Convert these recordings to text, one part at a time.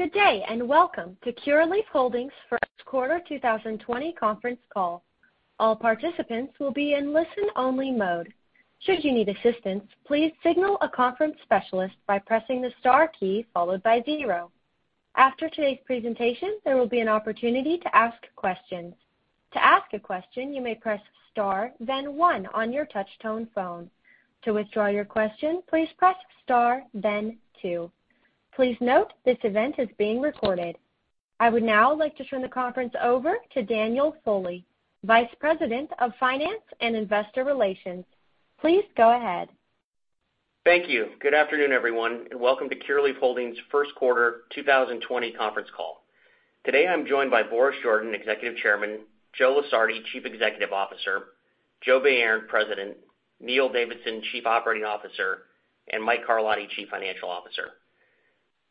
Good day and welcome to Curaleaf Holdings' first quarter 2020 conference call. All participants will be in listen-only mode. Should you need assistance, please signal a conference specialist by pressing the star key followed by zero. After today's presentation, there will be an opportunity to ask questions. To ask a question, you may press star, then one on your touch-tone phone. To withdraw your question, please press Star, then two. Please note this event is being recorded. I would now like to turn the conference over to Daniel Foley, Vice President of Finance and Investor Relations. Please go ahead. Thank you. Good afternoon, everyone, and welcome to Curaleaf Holdings' first quarter 2020 conference call. Today I'm joined by Boris Jordan, Executive Chairman, Joe Lusardi, Chief Executive Officer, Joe Bayern, President, Neil Davidson, Chief Operating Officer, and Mike Carlotti, Chief Financial Officer.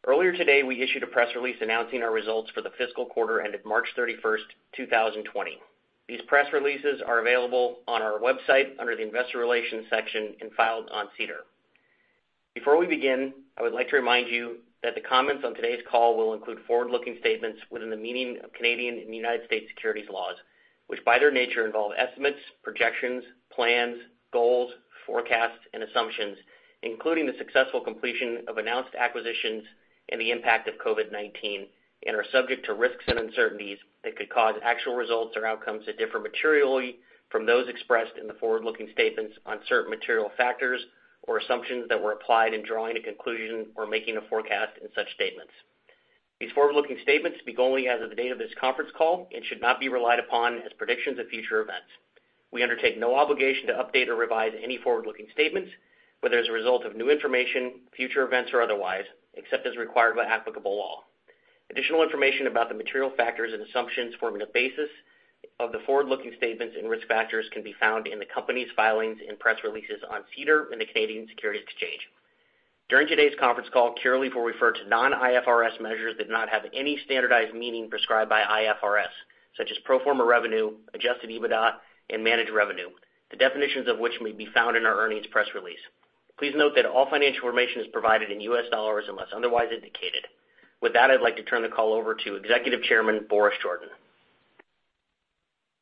Earlier today, we issued a press release announcing our results for the fiscal quarter ended March 31st, 2020. These press releases are available on our website under the Investor Relations section and filed on SEDAR. Before we begin, I would like to remind you that the comments on today's call will include forward-looking statements within the meaning of Canadian and United States securities laws, which by their nature involve estimates, projections, plans, goals, forecasts, and assumptions, including the successful completion of announced acquisitions and the impact of COVID-19, and are subject to risks and uncertainties that could cause actual results or outcomes that differ materially from those expressed in the forward-looking statements on certain material factors or assumptions that were applied in drawing a conclusion or making a forecast in such statements. These forward-looking statements begin only as of the date of this conference call and should not be relied upon as predictions of future events. We undertake no obligation to update or revise any forward-looking statements whether as a result of new information, future events, or otherwise, except as required by applicable law. Additional information about the material factors and assumptions forming the basis of the forward-looking statements and risk factors can be found in the company's filings and press releases on SEDAR and the Canadian Securities Exchange. During today's conference call, Curaleaf will refer to non-IFRS measures that do not have any standardized meaning prescribed by IFRS, such as pro forma revenue, adjusted EBITDA, and managed revenue, the definitions of which may be found in our earnings press release. Please note that all financial information is provided in U.S. dollars unless otherwise indicated. With that, I'd like to turn the call over to Executive Chairman Boris Jordan.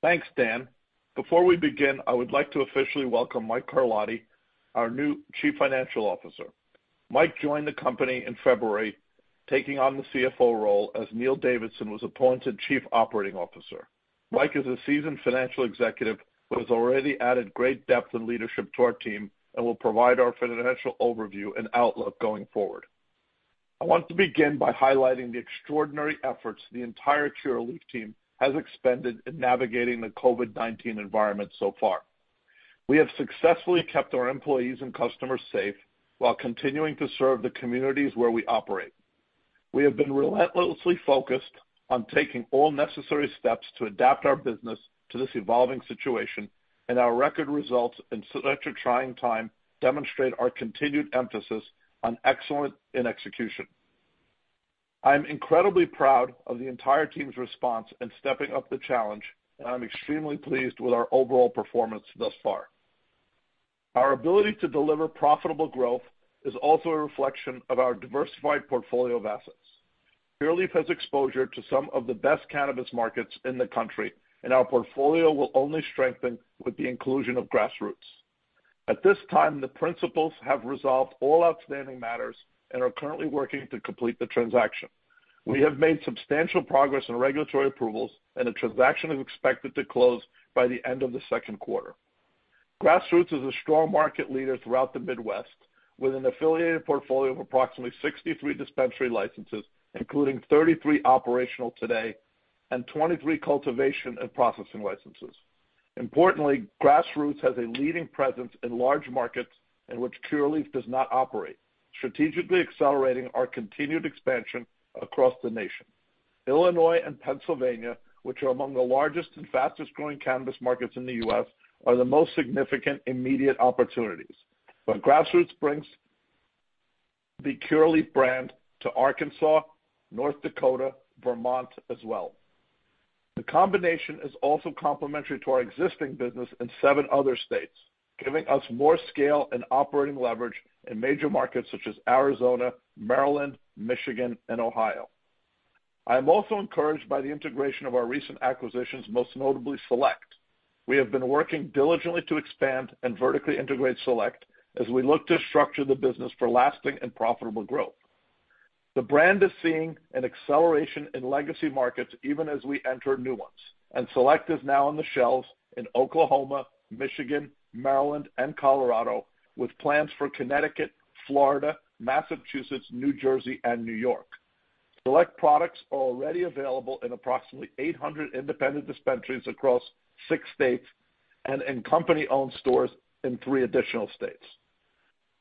Thanks, Dan. Before we begin, I would like to officially welcome Mike Carlotti, our new Chief Financial Officer. Mike joined the company in February, taking on the CFO role as Neil Davidson was appointed Chief Operating Officer. Mike is a seasoned financial executive who has already added great depth and leadership to our team and will provide our financial overview and outlook going forward. I want to begin by highlighting the extraordinary efforts the entire Curaleaf team has expended in navigating the COVID-19 environment so far. We have successfully kept our employees and customers safe while continuing to serve the communities where we operate. We have been relentlessly focused on taking all necessary steps to adapt our business to this evolving situation, and our record results in such a trying time demonstrate our continued emphasis on excellence in execution. I'm incredibly proud of the entire team's response in stepping up the challenge, and I'm extremely pleased with our overall performance thus far. Our ability to deliver profitable growth is also a reflection of our diversified portfolio of assets. Curaleaf has exposure to some of the best cannabis markets in the country, and our portfolio will only strengthen with the inclusion of Grassroots. At this time, the principals have resolved all outstanding matters and are currently working to complete the transaction. We have made substantial progress in regulatory approvals, and the transaction is expected to close by the end of the second quarter. Grassroots is a strong market leader throughout the Midwest, with an affiliated portfolio of approximately 63 dispensary licenses, including 33 operational today and 23 cultivation and processing licenses. Importantly, Grassroots has a leading presence in large markets in which Curaleaf does not operate, strategically accelerating our continued expansion across the nation. Illinois and Pennsylvania, which are among the largest and fastest-growing cannabis markets in the U.S., are the most significant immediate opportunities. But Grassroots brings the Curaleaf brand to Arkansas, North Dakota, and Vermont as well. The combination is also complementary to our existing business in seven other states, giving us more scale and operating leverage in major markets such as Arizona, Maryland, Michigan, and Ohio. I am also encouraged by the integration of our recent acquisitions, most notably Select. We have been working diligently to expand and vertically integrate Select as we look to structure the business for lasting and profitable growth. The brand is seeing an acceleration in legacy markets even as we enter new ones, and Select is now on the shelves in Oklahoma, Michigan, Maryland, and Colorado, with plans for Connecticut, Florida, Massachusetts, New Jersey, and New York. Select products are already available in approximately 800 independent dispensaries across six states and in company-owned stores in three additional states.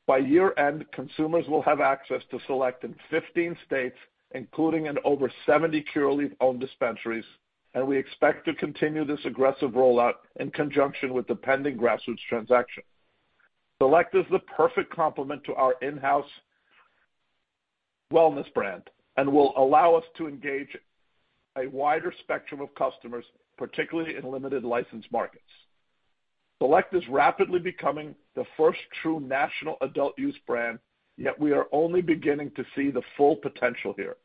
By year-end, consumers will have access to Select in 15 states, including in over 70 Curaleaf-owned dispensaries, and we expect to continue this aggressive rollout in conjunction with the pending Grassroots transaction. Select is the perfect complement to our in-house wellness brand and will allow us to engage a wider spectrum of customers, particularly in limited license markets. Select is rapidly becoming the first true national adult use brand, yet we are only beginning to see the full potential here.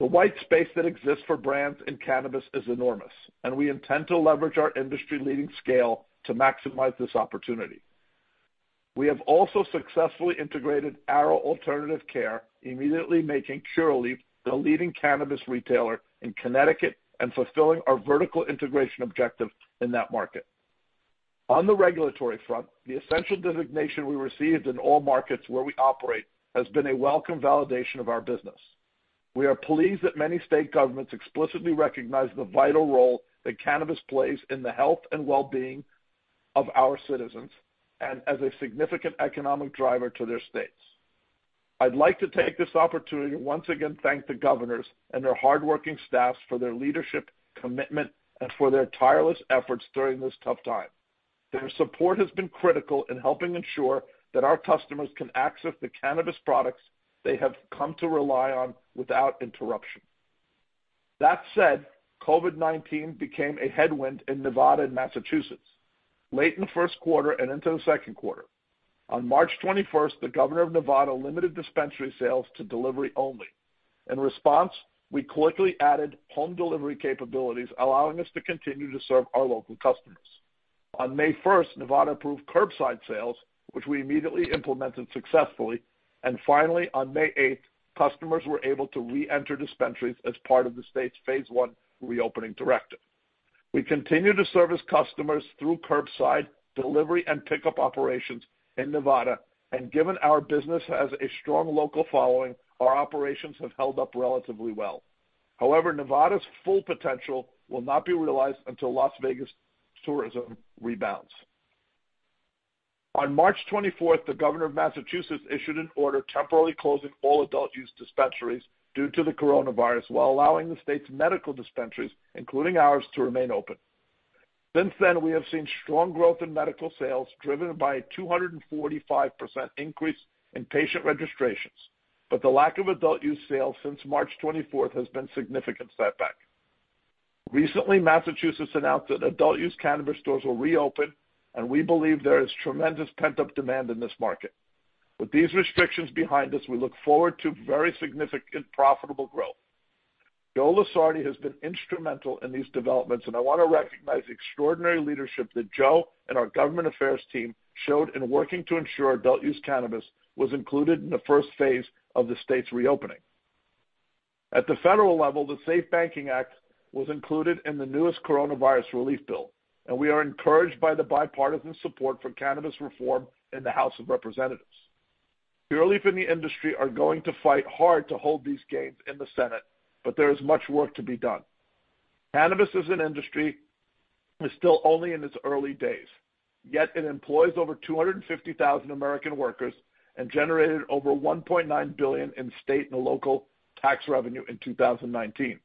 The white space that exists for brands in cannabis is enormous, and we intend to leverage our industry-leading scale to maximize this opportunity. We have also successfully integrated Arrow Alternative Care, immediately making Curaleaf the leading cannabis retailer in Connecticut and fulfilling our vertical integration objective in that market. On the regulatory front, the essential designation we received in all markets where we operate has been a welcome validation of our business. We are pleased that many state governments explicitly recognize the vital role that cannabis plays in the health and well-being of our citizens and as a significant economic driver to their states. I'd like to take this opportunity to once again thank the governors and their hardworking staff for their leadership, commitment, and for their tireless efforts during this tough time. Their support has been critical in helping ensure that our customers can access the cannabis products they have come to rely on without interruption. That said, COVID-19 became a headwind in Nevada and Massachusetts, late in the first quarter and into the second quarter. On March 21st, the governor of Nevada limited dispensary sales to delivery only. In response, we quickly added home delivery capabilities, allowing us to continue to serve our local customers. On May 1st, Nevada approved curbside sales, which we immediately implemented successfully. And finally, on May 8th, customers were able to re-enter dispensaries as part of the state's Phase One reopening directive. We continue to service customers through curbside delivery and pickup operations in Nevada, and given our business has a strong local following, our operations have held up relatively well. However, Nevada's full potential will not be realized until Las Vegas tourism rebounds. On March 24th, the governor of Massachusetts issued an order temporarily closing all adult use dispensaries due to the coronavirus while allowing the state's medical dispensaries, including ours, to remain open. Since then, we have seen strong growth in medical sales driven by a 245% increase in patient registrations, but the lack of adult use sales since March 24th has been a significant setback. Recently, Massachusetts announced that adult use cannabis stores will reopen, and we believe there is tremendous pent-up demand in this market. With these restrictions behind us, we look forward to very significant profitable growth. Joe Lusardi has been instrumental in these developments, and I want to recognize the extraordinary leadership that Joe and our government affairs team showed in working to ensure adult use cannabis was included in the first phase of the state's reopening. At the federal level, the SAFE Banking Act was included in the newest coronavirus relief bill, and we are encouraged by the bipartisan support for cannabis reform in the House of Representatives. Curaleaf and the industry are going to fight hard to hold these gains in the Senate, but there is much work to be done. Cannabis as an industry is still only in its early days, yet it employs over 250,000 American workers and generated over $1.9 billion in state and local tax revenue in 2019.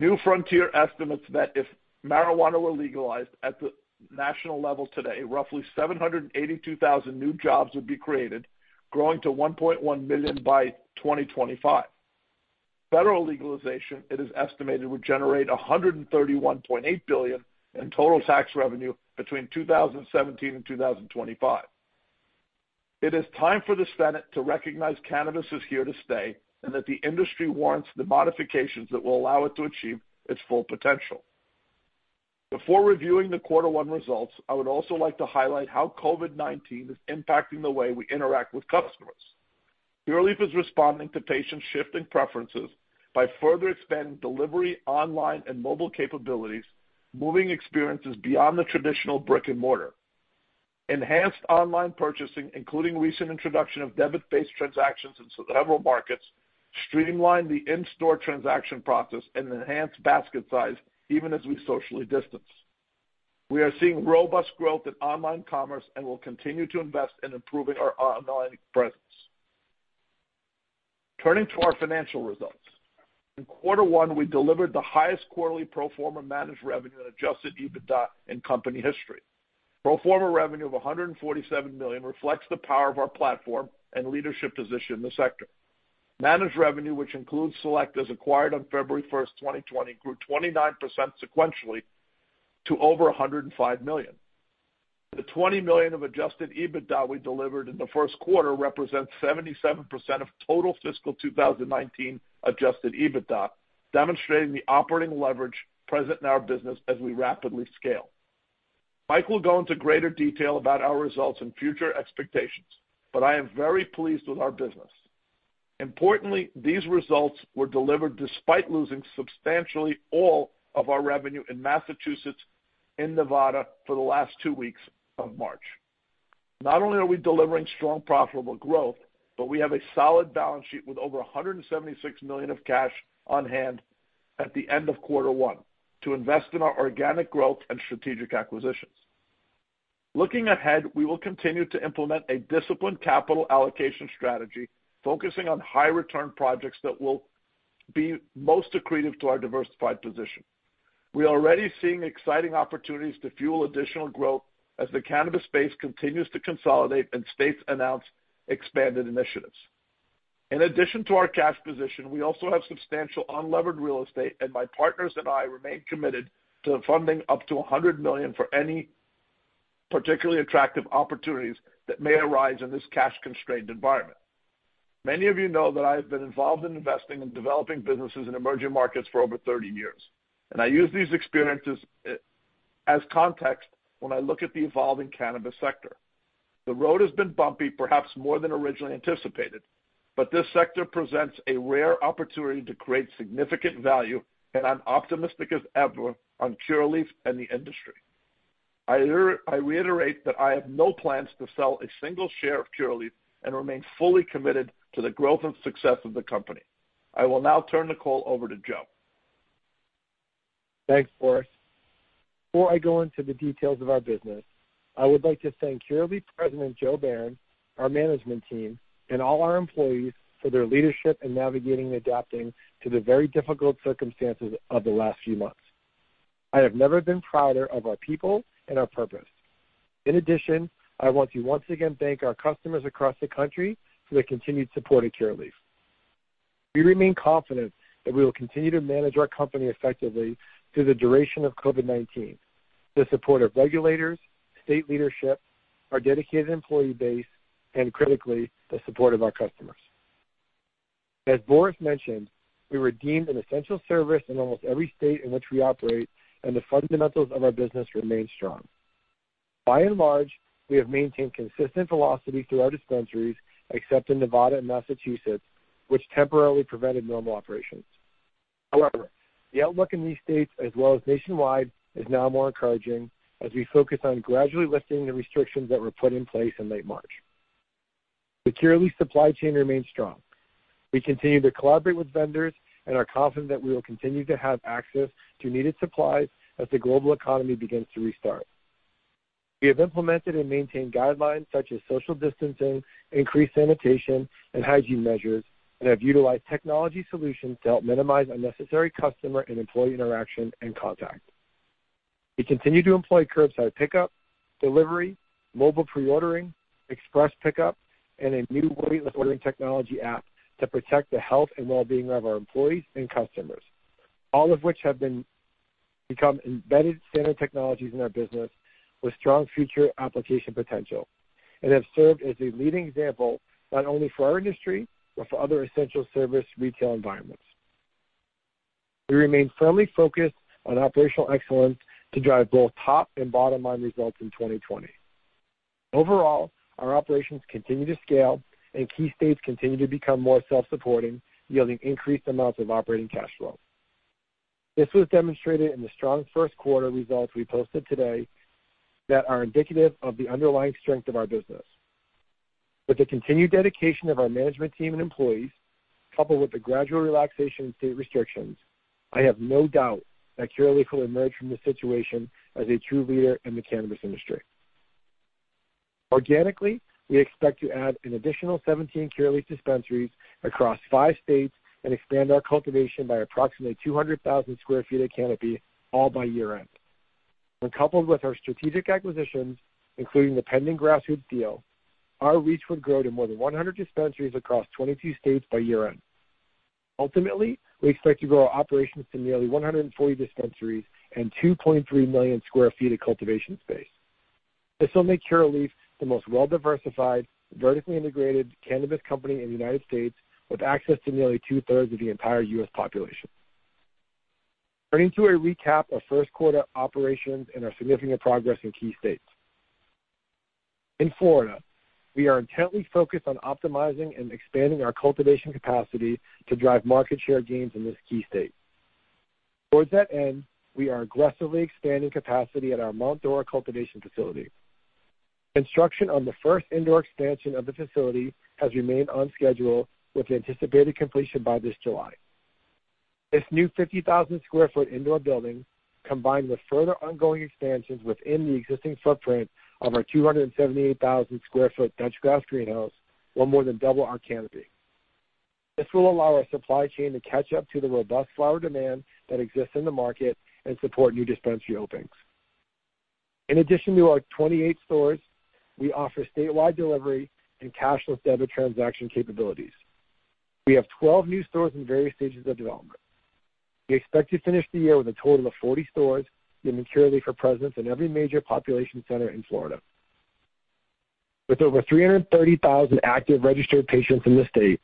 New Frontier estimates that if marijuana were legalized at the national level today, roughly 782,000 new jobs would be created, growing to 1.1 million by 2025. Federal legalization, it is estimated, would generate $131.8 billion in total tax revenue between 2017 and 2025. It is time for the Senate to recognize cannabis is here to stay and that the industry warrants the modifications that will allow it to achieve its full potential. Before reviewing the quarter one results, I would also like to highlight how COVID-19 is impacting the way we interact with customers. Curaleaf is responding to patients' shifting preferences by further expanding delivery, online, and mobile capabilities, moving experiences beyond the traditional brick-and-mortar. Enhanced online purchasing, including recent introduction of debit-based transactions in several markets, streamlined the in-store transaction process and enhanced basket size even as we socially distance. We are seeing robust growth in online commerce and will continue to invest in improving our online presence. Turning to our financial results, in quarter one, we delivered the highest quarterly pro forma managed revenue and adjusted EBITDA in company history. Pro forma revenue of $147 million reflects the power of our platform and leadership position in the sector. Managed revenue, which includes Select as acquired on February 1st, 2020, grew 29% sequentially to over $105 million. The $20 million of Adjusted EBITDA we delivered in the first quarter represents 77% of total fiscal 2019 Adjusted EBITDA, demonstrating the operating leverage present in our business as we rapidly scale. Mike will go into greater detail about our results and future expectations, but I am very pleased with our business. Importantly, these results were delivered despite losing substantially all of our revenue in Massachusetts and Nevada for the last two weeks of March. Not only are we delivering strong profitable growth, but we have a solid balance sheet with over $176 million of cash on hand at the end of quarter one to invest in our organic growth and strategic acquisitions. Looking ahead, we will continue to implement a disciplined capital allocation strategy focusing on high-return projects that will be most accretive to our diversified position. We are already seeing exciting opportunities to fuel additional growth as the cannabis space continues to consolidate and states announce expanded initiatives. In addition to our cash position, we also have substantial unlevered real estate, and my partners and I remain committed to funding up to $100 million for any particularly attractive opportunities that may arise in this cash-constrained environment. Many of you know that I have been involved in investing and developing businesses in emerging markets for over 30 years, and I use these experiences as context when I look at the evolving cannabis sector. The road has been bumpy, perhaps more than originally anticipated, but this sector presents a rare opportunity to create significant value, and I'm optimistic as ever on Curaleaf and the industry. I reiterate that I have no plans to sell a single share of Curaleaf and remain fully committed to the growth and success of the company. I will now turn the call over to Joe. Thanks, Boris. Before I go into the details of our business, I would like to thank Curaleaf President Joe Bayern, our management team, and all our employees for their leadership in navigating and adapting to the very difficult circumstances of the last few months. I have never been prouder of our people and our purpose. In addition, I want to once again thank our customers across the country for their continued support of Curaleaf. We remain confident that we will continue to manage our company effectively through the duration of COVID-19, the support of regulators, state leadership, our dedicated employee base, and critically, the support of our customers. As Boris mentioned, we were deemed an essential service in almost every state in which we operate, and the fundamentals of our business remain strong. By and large, we have maintained consistent velocity through our dispensaries, except in Nevada and Massachusetts, which temporarily prevented normal operations. However, the outlook in these states, as well as nationwide, is now more encouraging as we focus on gradually lifting the restrictions that were put in place in late March. The Curaleaf supply chain remains strong. We continue to collaborate with vendors and are confident that we will continue to have access to needed supplies as the global economy begins to restart. We have implemented and maintained guidelines such as social distancing, increased sanitation, and hygiene measures, and have utilized technology solutions to help minimize unnecessary customer and employee interaction and contact. We continue to employ curbside pickup, delivery, mobile pre-ordering, express pickup, and a new waitless ordering technology app to protect the health and well-being of our employees and customers, all of which have become embedded standard technologies in our business with strong future application potential and have served as a leading example not only for our industry but for other essential service retail environments. We remain firmly focused on operational excellence to drive both top and bottom-line results in 2020. Overall, our operations continue to scale, and key states continue to become more self-supporting, yielding increased amounts of operating cash flow. This was demonstrated in the strong first quarter results we posted today that are indicative of the underlying strength of our business. With the continued dedication of our management team and employees, coupled with the gradual relaxation of state restrictions, I have no doubt that Curaleaf will emerge from this situation as a true leader in the cannabis industry. Organically, we expect to add an additional 17 Curaleaf dispensaries across five states and expand our cultivation by approximately 200,000 sq ft of canopy, all by year-end. When coupled with our strategic acquisitions, including the pending Grassroots deal, our reach would grow to more than 100 dispensaries across 22 states by year-end. Ultimately, we expect to grow our operations to nearly 140 dispensaries and 2.3 million sq ft of cultivation space. This will make Curaleaf the most well-diversified, vertically integrated cannabis company in the United States, with access to nearly two-thirds of the entire U.S. population. Turning to a recap of first quarter operations and our significant progress in key states. In Florida, we are intently focused on optimizing and expanding our cultivation capacity to drive market share gains in this key state. Towards that end, we are aggressively expanding capacity at our Mount Dora cultivation facility. Construction on the first indoor expansion of the facility has remained on schedule, with anticipated completion by this July. This new 50,000 sq ft indoor building, combined with further ongoing expansions within the existing footprint of our 278,000 sq ft Dutch glass greenhouse, will more than double our canopy. This will allow our supply chain to catch up to the robust flower demand that exists in the market and support new dispensary openings. In addition to our 28 stores, we offer statewide delivery and cashless debit transaction capabilities. We have 12 new stores in various stages of development. We expect to finish the year with a total of 40 stores given Curaleaf's presence in every major population center in Florida. With over 330,000 active registered patients in the state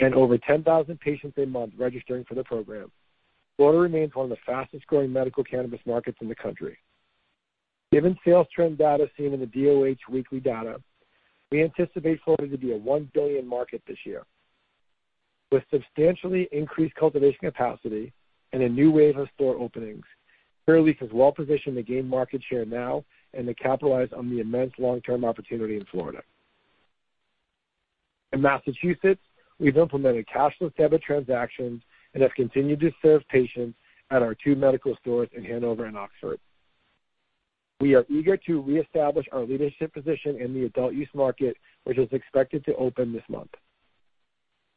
and over 10,000 patients a month registering for the program, Florida remains one of the fastest-growing medical cannabis markets in the country. Given sales trend data seen in the DOH weekly data, we anticipate Florida to be a $1 billion market this year. With substantially increased cultivation capacity and a new wave of store openings, Curaleaf is well-positioned to gain market share now and to capitalize on the immense long-term opportunity in Florida. In Massachusetts, we've implemented cashless debit transactions and have continued to serve patients at our two medical stores in Hanover and Oxford. We are eager to reestablish our leadership position in the adult-use market, which is expected to open this month.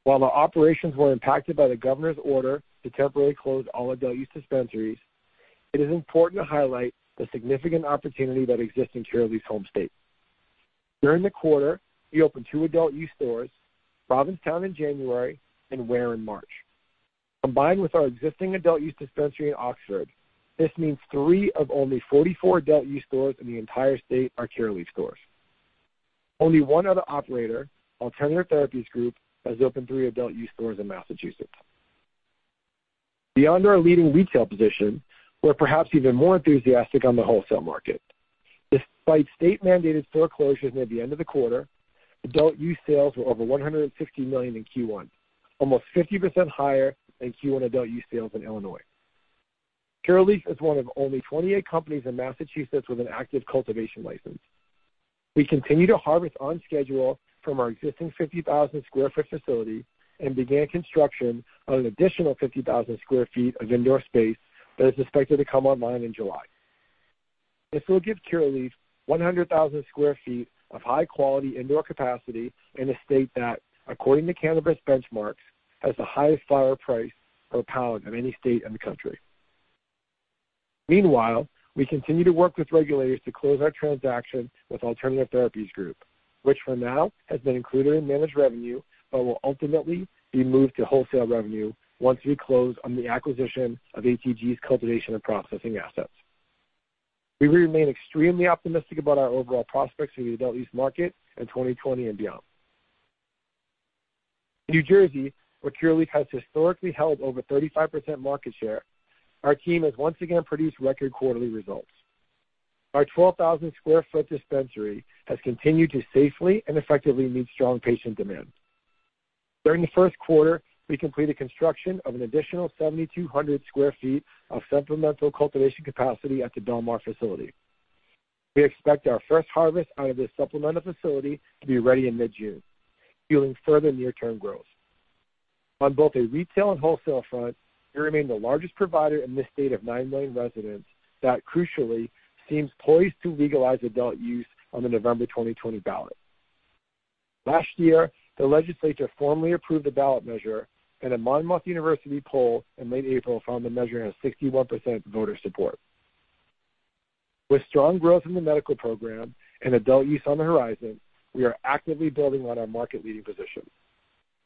While our operations were impacted by the governor's order to temporarily close all adult use dispensaries, it is important to highlight the significant opportunity that exists in Curaleaf's home state. During the quarter, we opened two adult use stores, Provincetown in January and Ware in March. Combined with our existing adult use dispensary in Oxford, this means three of only 44 adult use stores in the entire state are Curaleaf stores. Only one other operator, Alternative Therapies Group, has opened three adult use stores in Massachusetts. Beyond our leading retail position, we're perhaps even more enthusiastic on the wholesale market. Despite state-mandated store closures near the end of the quarter, adult use sales were over $150 million in Q1, almost 50% higher than Q1 adult use sales in Illinois. Curaleaf is one of only 28 companies in Massachusetts with an active cultivation license. We continue to harvest on schedule from our existing 50,000 sq ft facility and began construction on an additional 50,000 sq ft of indoor space that is expected to come online in July. This will give Curaleaf 100,000 sq ft of high-quality indoor capacity in a state that, according to Cannabis Benchmarks, has the highest flower price per pound in any state in the country. Meanwhile, we continue to work with regulators to close our transaction with Alternative Therapies Group, which for now has been included in managed revenue but will ultimately be moved to wholesale revenue once we close on the acquisition of ATG's cultivation and processing assets. We remain extremely optimistic about our overall prospects for the adult use market in 2020 and beyond. In New Jersey, where Curaleaf has historically held over 35% market share, our team has once again produced record quarterly results. Our 12,000 sq ft dispensary has continued to safely and effectively meet strong patient demand. During the first quarter, we completed construction of an additional 7,200 sq ft of supplemental cultivation capacity at the Bellmawr facility. We expect our first harvest out of this supplemental facility to be ready in mid-June, fueling further near-term growth. On both a retail and wholesale front, we remain the largest provider in this state of 9 million residents that, crucially, seems poised to legalize adult use on the November 2020 ballot. Last year, the legislature formally approved the ballot measure, and a Monmouth University poll in late April found the measure has 61% voter support. With strong growth in the medical program and adult use on the horizon, we are actively building on our market-leading position.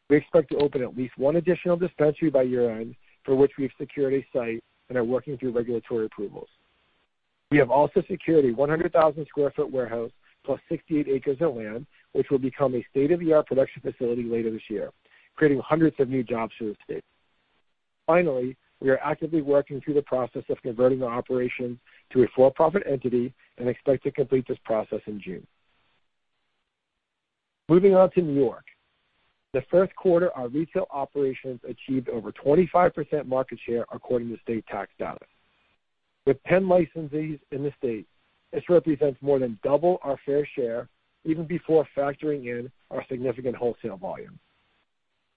We expect to open at least one additional dispensary by year-end, for which we have secured a site and are working through regulatory approvals. We have also secured a 100,000 sq ft warehouse plus 68 acres of land, which will become a state-of-the-art production facility later this year, creating hundreds of new jobs for the state. Finally, we are actively working through the process of converting our operations to a for-profit entity and expect to complete this process in June. Moving on to New York. In the first quarter, our retail operations achieved over 25% market share according to state tax data. With 10 licensees in the state, this represents more than double our fair share, even before factoring in our significant wholesale volume.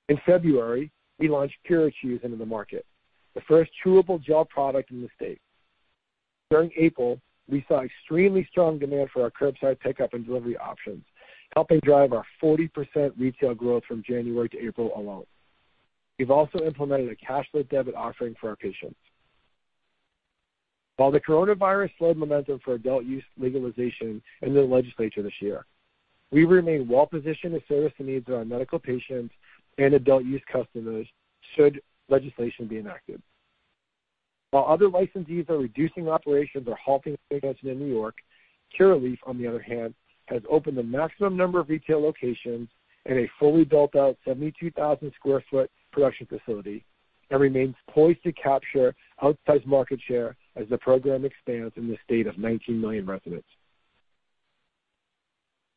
In February, we launched CuraChews into the market, the first chewable gel product in the state. During April, we saw extremely strong demand for our curbside pickup and delivery options, helping drive our 40% retail growth from January to April alone. We've also implemented a cashless debit offering for our patients. While the coronavirus slowed momentum for adult use legalization in the legislature this year, we remain well-positioned to service the needs of our medical patients and adult use customers should legislation be enacted. While other licensees are reducing operations or halting expansion in New York, Curaleaf, on the other hand, has opened the maximum number of retail locations and a fully built-out 72,000 sq ft production facility and remains poised to capture outsized market share as the program expands in the state of 19 million residents.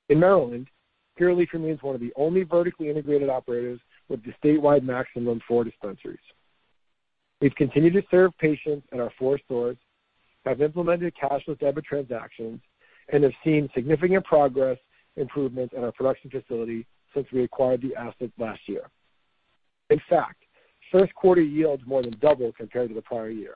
In Maryland, Curaleaf remains one of the only vertically integrated operators with the statewide maximum of four dispensaries. We've continued to serve patients at our four stores, have implemented cashless debit transactions, and have seen significant progress improvements in our production facility since we acquired the asset last year. In fact, first quarter yields more than double compared to the prior year.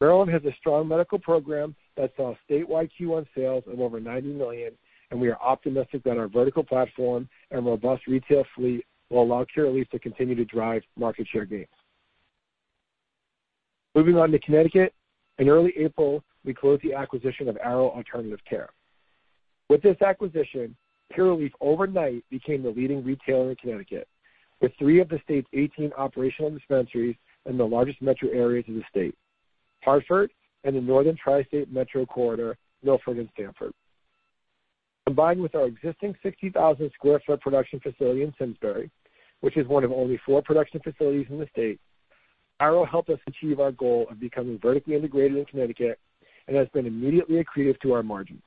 Maryland has a strong medical program that saw statewide Q1 sales of over $90 million, and we are optimistic that our vertical platform and robust retail fleet will allow Curaleaf to continue to drive market share gains. Moving on to Connecticut, in early April, we closed the acquisition of Arrow Alternative Care. With this acquisition, Curaleaf overnight became the leading retailer in Connecticut, with three of the state's 18 operational dispensaries in the largest metro areas of the state: Hartford and the Northern Tri-State Metro Corridor, Milford, and Stamford. Combined with our existing 60,000 sq ft production facility in Simsbury, which is one of only four production facilities in the state, Arrow helped us achieve our goal of becoming vertically integrated in Connecticut and has been immediately accretive to our margins.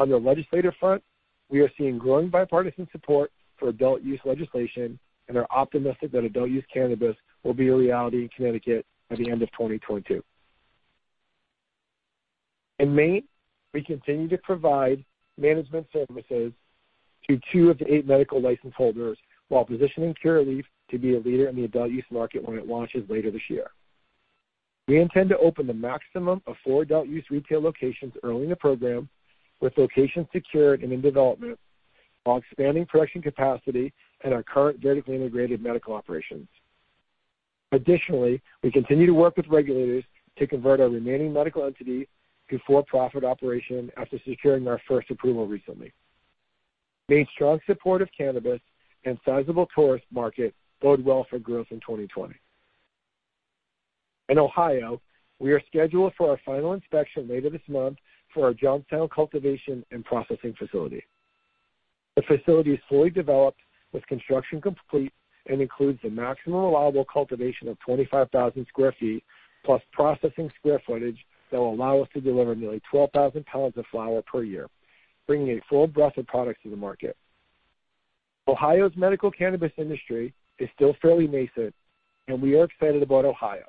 On the legislative front, we are seeing growing bipartisan support for adult use legislation and are optimistic that adult use cannabis will be a reality in Connecticut by the end of 2022. In Maine, we continue to provide management services to two of the eight medical license holders while positioning Curaleaf to be a leader in the adult use market when it launches later this year. We intend to open the maximum of four adult use retail locations early in the program, with locations secured and in development while expanding production capacity and our current vertically integrated medical operations. Additionally, we continue to work with regulators to convert our remaining medical entity to for-profit operation after securing our first approval recently. Maine's strong support of cannabis and sizable tourist market bodes well for growth in 2020. In Ohio, we are scheduled for our final inspection later this month for our Johnstown cultivation and processing facility. The facility is fully developed, with construction complete, and includes the maximum allowable cultivation of 25,000 sq ft plus processing square footage that will allow us to deliver nearly 12,000 lbs of flower per year, bringing a full breadth of products to the market. Ohio's medical cannabis industry is still fairly nascent, and we are excited about Ohio,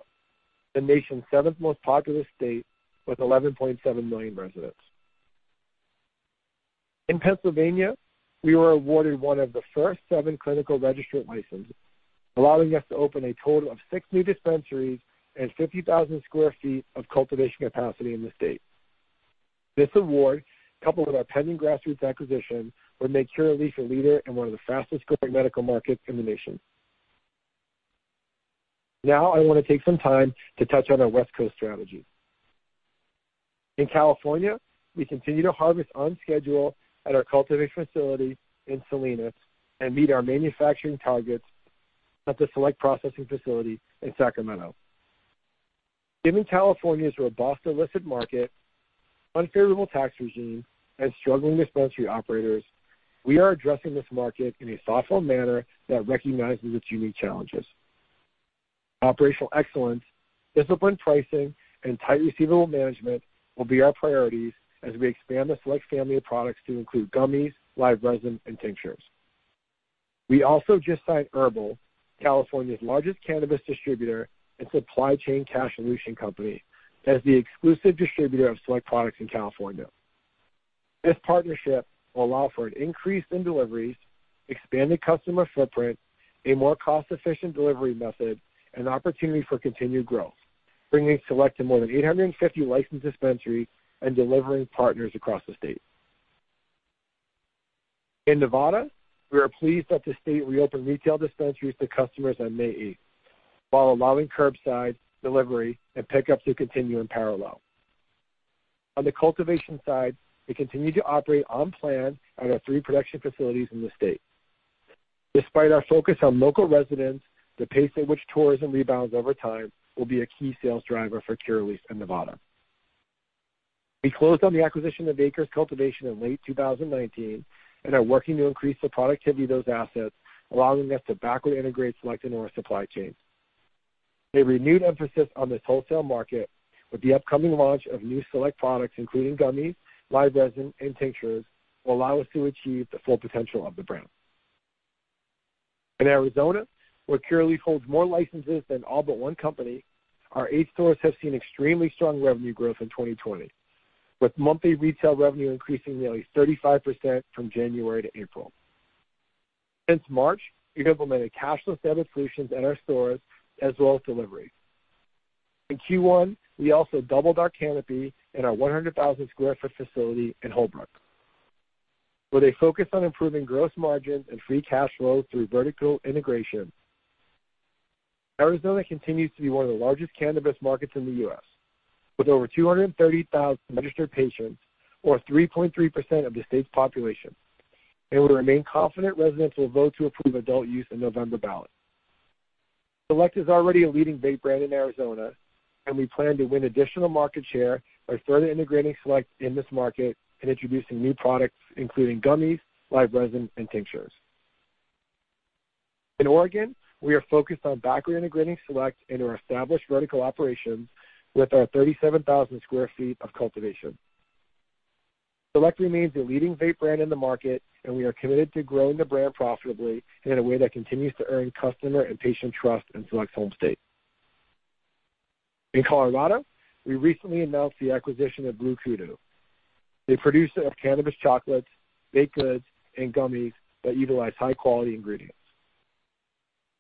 the nation's seventh most populous state with 11.7 million residents. In Pennsylvania, we were awarded one of the first seven clinical registry licenses, allowing us to open a total of six new dispensaries and 50,000 sq ft of cultivation capacity in the state. This award, coupled with our pending Grassroots acquisition, would make Curaleaf a leader in one of the fastest-growing medical markets in the nation. Now, I want to take some time to touch on our West Coast strategy. In California, we continue to harvest on schedule at our cultivation facility in Salinas and meet our manufacturing targets at the Select Processing Facility in Sacramento. Given California's robust illicit market, unfavorable tax regime, and struggling dispensary operators, we are addressing this market in a thoughtful manner that recognizes its unique challenges. Operational excellence, disciplined pricing, and tight receivable management will be our priorities as we expand the Select family of products to include gummies, live resin, and tinctures. We also just signed HERBL, California's largest cannabis distributor and supply chain cash solution company, as the exclusive distributor of Select products in California. This partnership will allow for an increase in deliveries, expanded customer footprint, a more cost-efficient delivery method, and opportunity for continued growth, bringing Select to more than 850 licensed dispensaries and delivering partners across the state. In Nevada, we are pleased that the state reopened retail dispensaries to customers on May 8th, while allowing curbside delivery and pickup to continue in parallel. On the cultivation side, we continue to operate on plan at our three production facilities in the state. Despite our focus on local residents, the pace at which tourism rebounds over time will be a key sales driver for Curaleaf in Nevada. We closed on the acquisition of Acres Cultivation in late 2019 and are working to increase the productivity of those assets, allowing us to backward integrate Select into our supply chain. A renewed emphasis on this wholesale market, with the upcoming launch of new Select products including gummies, live resin, and tinctures, will allow us to achieve the full potential of the brand. In Arizona, where Curaleaf holds more licenses than all but one company, our eight stores have seen extremely strong revenue growth in 2020, with monthly retail revenue increasing nearly 35% from January to April. Since March, we've implemented cashless debit solutions at our stores as well as deliveries. In Q1, we also doubled our canopy in our 100,000 sq ft facility in Holbrook, with a focus on improving gross margins and free cash flow through vertical integration. Arizona continues to be one of the largest cannabis markets in the U.S., with over 230,000 registered patients or 3.3% of the state's population, and we remain confident residents will vote to approve adult use in November ballot. Select is already a leading vape brand in Arizona, and we plan to win additional market share by further integrating Select in this market and introducing new products including gummies, live resin, and tinctures. In Oregon, we are focused on backward integrating Select into our established vertical operations with our 37,000 sq ft of cultivation. Select remains a leading vape brand in the market, and we are committed to growing the brand profitably in a way that continues to earn customer and patient trust in Select's home state. In Colorado, we recently announced the acquisition of BlueKudu, a producer of cannabis chocolates, vape goods, and gummies that utilize high-quality ingredients.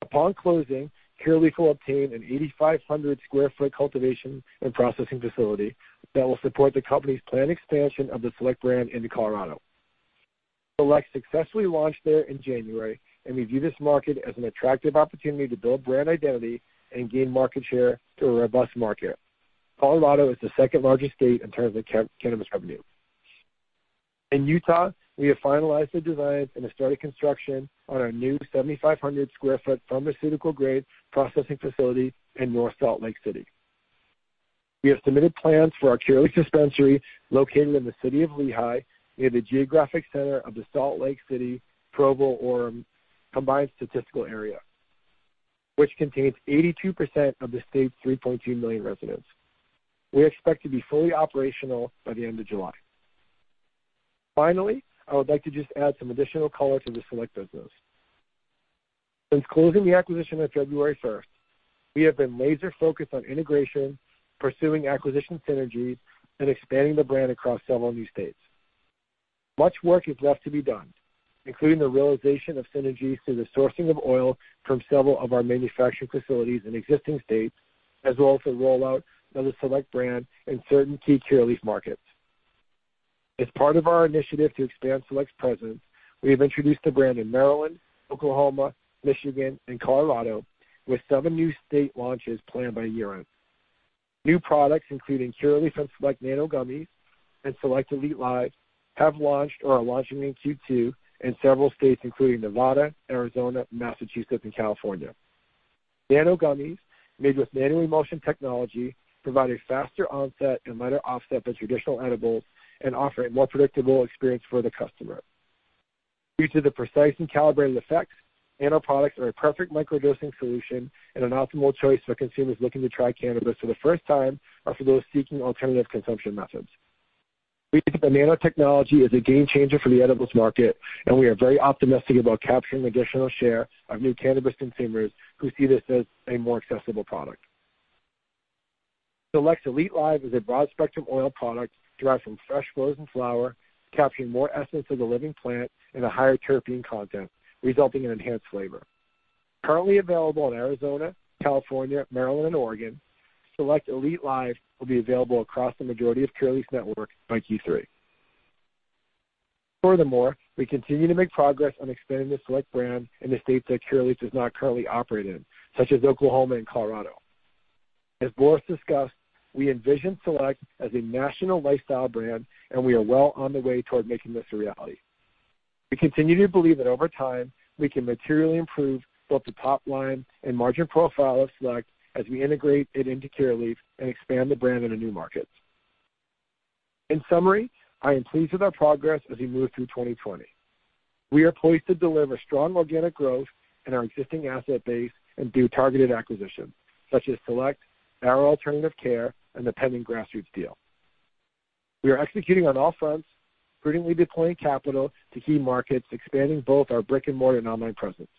Upon closing, Curaleaf will obtain an 8,500 sq ft cultivation and processing facility that will support the company's planned expansion of the Select brand into Colorado. Select successfully launched there in January, and we view this market as an attractive opportunity to build brand identity and gain market share through a robust market. Colorado is the second largest state in terms of cannabis revenue. In Utah, we have finalized the designs and started construction on our new 7,500 sq ft pharmaceutical-grade processing facility in North Salt Lake City. We have submitted plans for our Curaleaf dispensary located in the city of Lehi near the geographic center of the Salt Lake City Provo-Orem Combined Statistical Area, which contains 82% of the state's 3.2 million residents. We expect to be fully operational by the end of July. Finally, I would like to just add some additional color to the Select business. Since closing the acquisition on February 1st, we have been laser-focused on integration, pursuing acquisition synergies, and expanding the brand across several new states. Much work is left to be done, including the realization of synergies through the sourcing of oil from several of our manufacturing facilities in existing states, as well as the rollout of the Select brand in certain key Curaleaf markets. As part of our initiative to expand Select's presence, we have introduced the brand in Maryland, Oklahoma, Michigan, and Colorado, with seven new state launches planned by year-end. New products, including Curaleaf and Select Nano Gummies and Select Elite Live, have launched or are launching in Q2 in several states including Nevada, Arizona, Massachusetts, and California. Nano Gummies, made with nanoemulsion technology, provide a faster onset and lighter offset than traditional edibles and offer a more predictable experience for the customer. Due to the precise and calibrated effects, nano products are a perfect microdosing solution and an optimal choice for consumers looking to try cannabis for the first time or for those seeking alternative consumption methods. We think the nanotechnology is a game changer for the edibles market, and we are very optimistic about capturing additional share of new cannabis consumers who see this as a more accessible product. Select Elite Live is a broad-spectrum oil product derived from fresh frozen flower, capturing more essence of the living plant and a higher terpene content, resulting in enhanced flavor. Currently available in Arizona, California, Maryland, and Oregon, Select Elite Live will be available across the majority of Curaleaf's network by Q3. Furthermore, we continue to make progress on expanding the Select brand in the states that Curaleaf does not currently operate in, such as Oklahoma and Colorado. As Boris discussed, we envision Select as a national lifestyle brand, and we are well on the way toward making this a reality. We continue to believe that over time, we can materially improve both the top line and margin profile of Select as we integrate it into Curaleaf and expand the brand into new markets. In summary, I am pleased with our progress as we move through 2020. We are poised to deliver strong organic growth in our existing asset base and do targeted acquisitions, such as Select, Arrow Alternative Care, and the pending Grassroots deal. We are executing on all fronts, prudently deploying capital to key markets, expanding both our brick-and-mortar and online presence.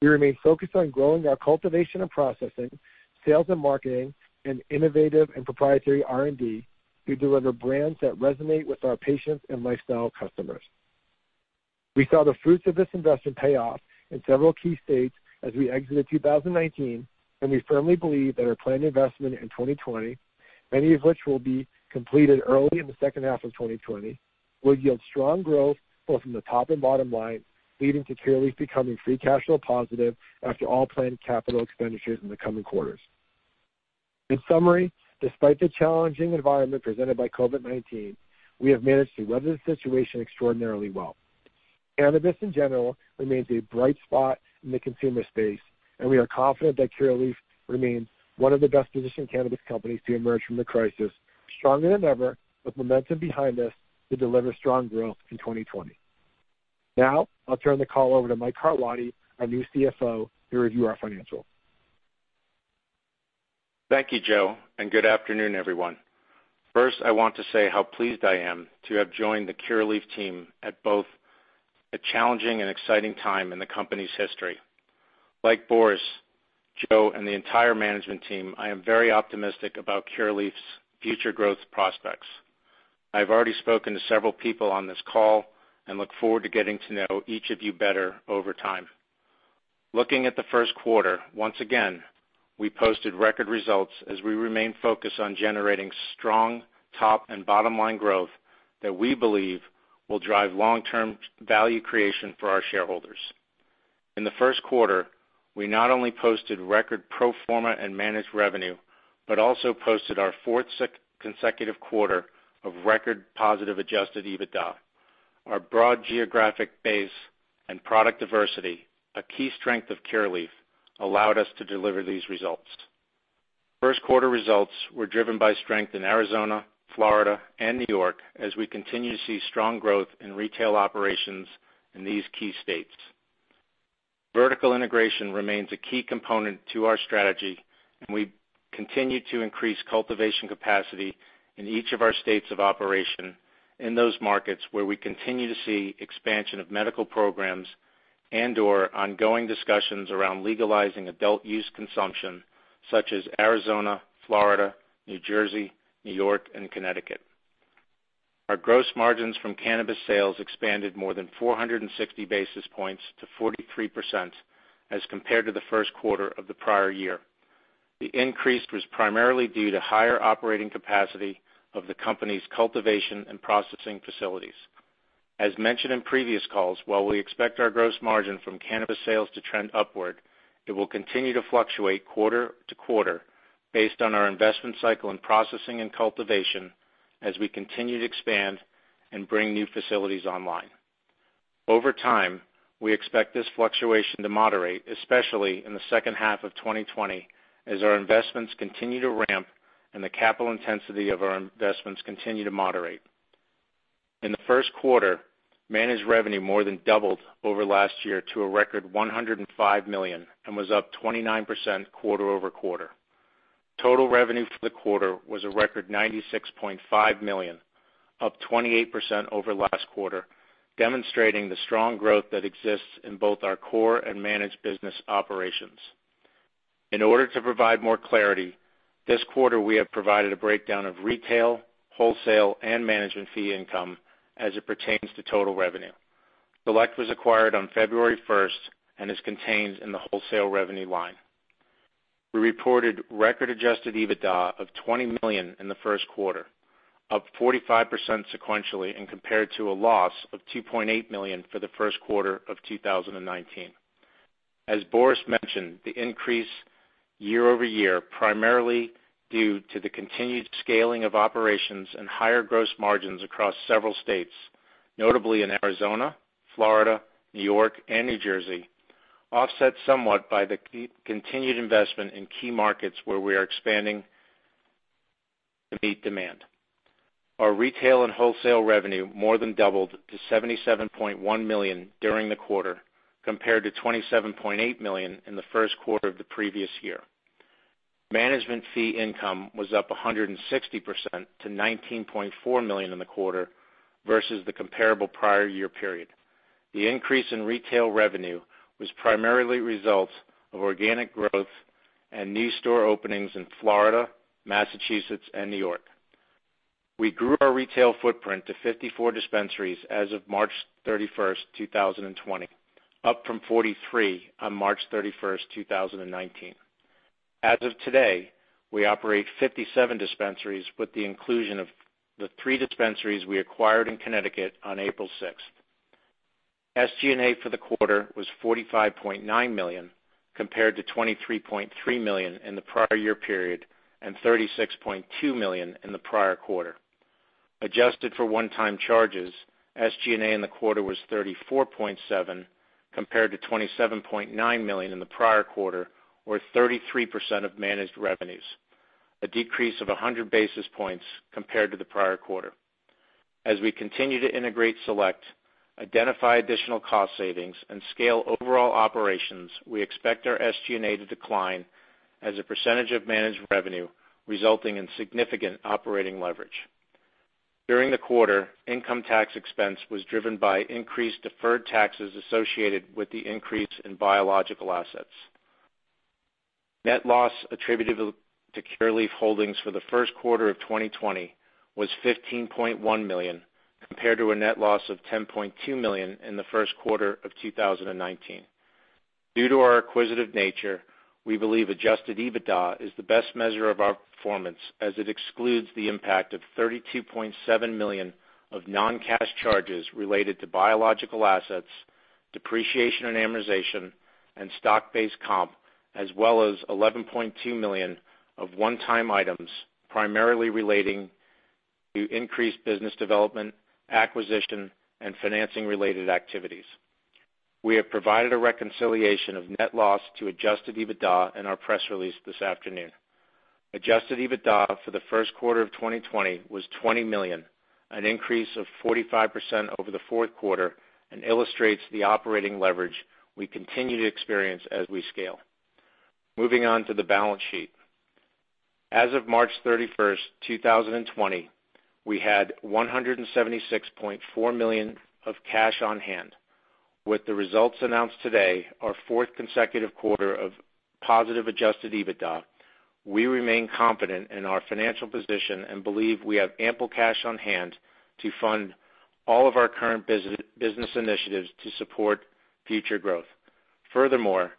We remain focused on growing our cultivation and processing, sales and marketing, and innovative and proprietary R&D to deliver brands that resonate with our patients and lifestyle customers. We saw the fruits of this investment pay off in several key states as we exited 2019, and we firmly believe that our planned investment in 2020, many of which will be completed early in the second half of 2020, will yield strong growth both from the top and bottom line, leading to Curaleaf becoming free cash flow positive after all planned capital expenditures in the coming quarters. In summary, despite the challenging environment presented by COVID-19, we have managed to weather the situation extraordinarily well. Cannabis, in general, remains a bright spot in the consumer space, and we are confident that Curaleaf remains one of the best-positioned cannabis companies to emerge from the crisis, stronger than ever, with momentum behind us to deliver strong growth in 2020. Now, I'll turn the call over to Mike Carlotti, our new CFO, to review our financials. Thank you, Joe, and good afternoon, everyone. First, I want to say how pleased I am to have joined the Curaleaf team at both a challenging and exciting time in the company's history. Like Boris, Joe, and the entire management team, I am very optimistic about Curaleaf's future growth prospects. I have already spoken to several people on this call and look forward to getting to know each of you better over time. Looking at the first quarter, once again, we posted record results as we remain focused on generating strong top and bottom line growth that we believe will drive long-term value creation for our shareholders. In the first quarter, we not only posted record pro forma and managed revenue but also posted our fourth consecutive quarter of record positive Adjusted EBITDA. Our broad geographic base and product diversity, a key strength of Curaleaf, allowed us to deliver these results. First quarter results were driven by strength in Arizona, Florida, and New York as we continue to see strong growth in retail operations in these key states. Vertical integration remains a key component to our strategy, and we continue to increase cultivation capacity in each of our states of operation in those markets where we continue to see expansion of medical programs and/or ongoing discussions around legalizing adult use consumption, such as Arizona, Florida, New Jersey, New York, and Connecticut. Our gross margins from cannabis sales expanded more than 460 basis points to 43% as compared to the first quarter of the prior year. The increase was primarily due to higher operating capacity of the company's cultivation and processing facilities. As mentioned in previous calls, while we expect our gross margin from cannabis sales to trend upward, it will continue to fluctuate quarter to quarter based on our investment cycle in processing and cultivation as we continue to expand and bring new facilities online. Over time, we expect this fluctuation to moderate, especially in the second half of 2020 as our investments continue to ramp and the capital intensity of our investments continue to moderate. In the first quarter, managed revenue more than doubled over last year to a record $105 million and was up 29% quarter over quarter. Total revenue for the quarter was a record $96.5 million, up 28% over last quarter, demonstrating the strong growth that exists in both our core and managed business operations. In order to provide more clarity, this quarter we have provided a breakdown of retail, wholesale, and management fee income as it pertains to total revenue. Select was acquired on February 1st and is contained in the wholesale revenue line. We reported record adjusted EBITDA of $20 million in the first quarter, up 45% sequentially and compared to a loss of $2.8 million for the first quarter of 2019. As Boris mentioned, the increase year over year, primarily due to the continued scaling of operations and higher gross margins across several states, notably in Arizona, Florida, New York, and New Jersey, offsets somewhat by the continued investment in key markets where we are expanding to meet demand. Our retail and wholesale revenue more than doubled to $77.1 million during the quarter compared to $27.8 million in the first quarter of the previous year. Management fee income was up 160% to $19.4 million in the quarter versus the comparable prior year period. The increase in retail revenue was primarily a result of organic growth and new store openings in Florida, Massachusetts, and New York. We grew our retail footprint to 54 dispensaries as of March 31st, 2020, up from 43 on March 31st, 2019. As of today, we operate 57 dispensaries with the inclusion of the three dispensaries we acquired in Connecticut on April 6th. SG&A for the quarter was $45.9 million compared to $23.3 million in the prior year period and $36.2 million in the prior quarter. Adjusted for one-time charges, SG&A in the quarter was $34.7 million compared to $27.9 million in the prior quarter, or 33% of managed revenues, a decrease of 100 basis points compared to the prior quarter. As we continue to integrate Select, identify additional cost savings, and scale overall operations, we expect our SG&A to decline as a percentage of managed revenue, resulting in significant operating leverage. During the quarter, income tax expense was driven by increased deferred taxes associated with the increase in biological assets. Net loss attributed to Curaleaf Holdings for the first quarter of 2020 was $15.1 million compared to a net loss of $10.2 million in the first quarter of 2019. Due to our acquisitive nature, we believe Adjusted EBITDA is the best measure of our performance as it excludes the impact of $32.7 million of non-cash charges related to biological assets, depreciation and amortization, and stock-based comp, as well as $11.2 million of one-time items primarily relating to increased business development, acquisition, and financing-related activities. We have provided a reconciliation of net loss to Adjusted EBITDA in our press release this afternoon. Adjusted EBITDA for the first quarter of 2020 was $20 million, an increase of 45% over the fourth quarter, and illustrates the operating leverage we continue to experience as we scale. Moving on to the balance sheet. As of March 31st, 2020, we had $176.4 million of cash on hand. With the results announced today, our fourth consecutive quarter of positive Adjusted EBITDA, we remain confident in our financial position and believe we have ample cash on hand to fund all of our current business initiatives to support future growth. Furthermore,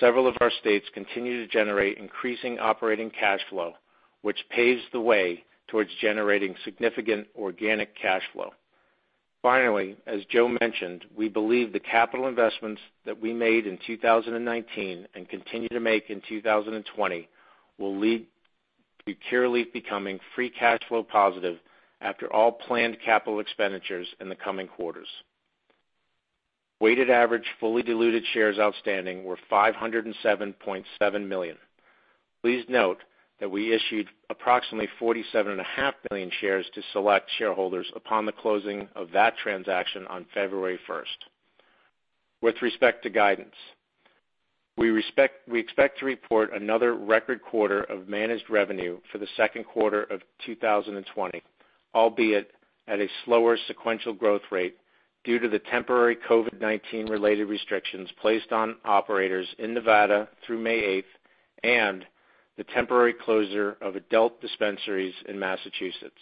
several of our states continue to generate increasing operating cash flow, which paves the way towards generating significant organic cash flow. Finally, as Joe mentioned, we believe the capital investments that we made in 2019 and continue to make in 2020 will lead to Curaleaf becoming free cash flow positive after all planned capital expenditures in the coming quarters. Weighted average fully diluted shares outstanding were 507.7 million. Please note that we issued approximately 47.5 million shares to Select shareholders upon the closing of that transaction on February 1st. With respect to guidance, we expect to report another record quarter of managed revenue for the second quarter of 2020, albeit at a slower sequential growth rate due to the temporary COVID-19-related restrictions placed on operators in Nevada through May 8th and the temporary closure of adult dispensaries in Massachusetts.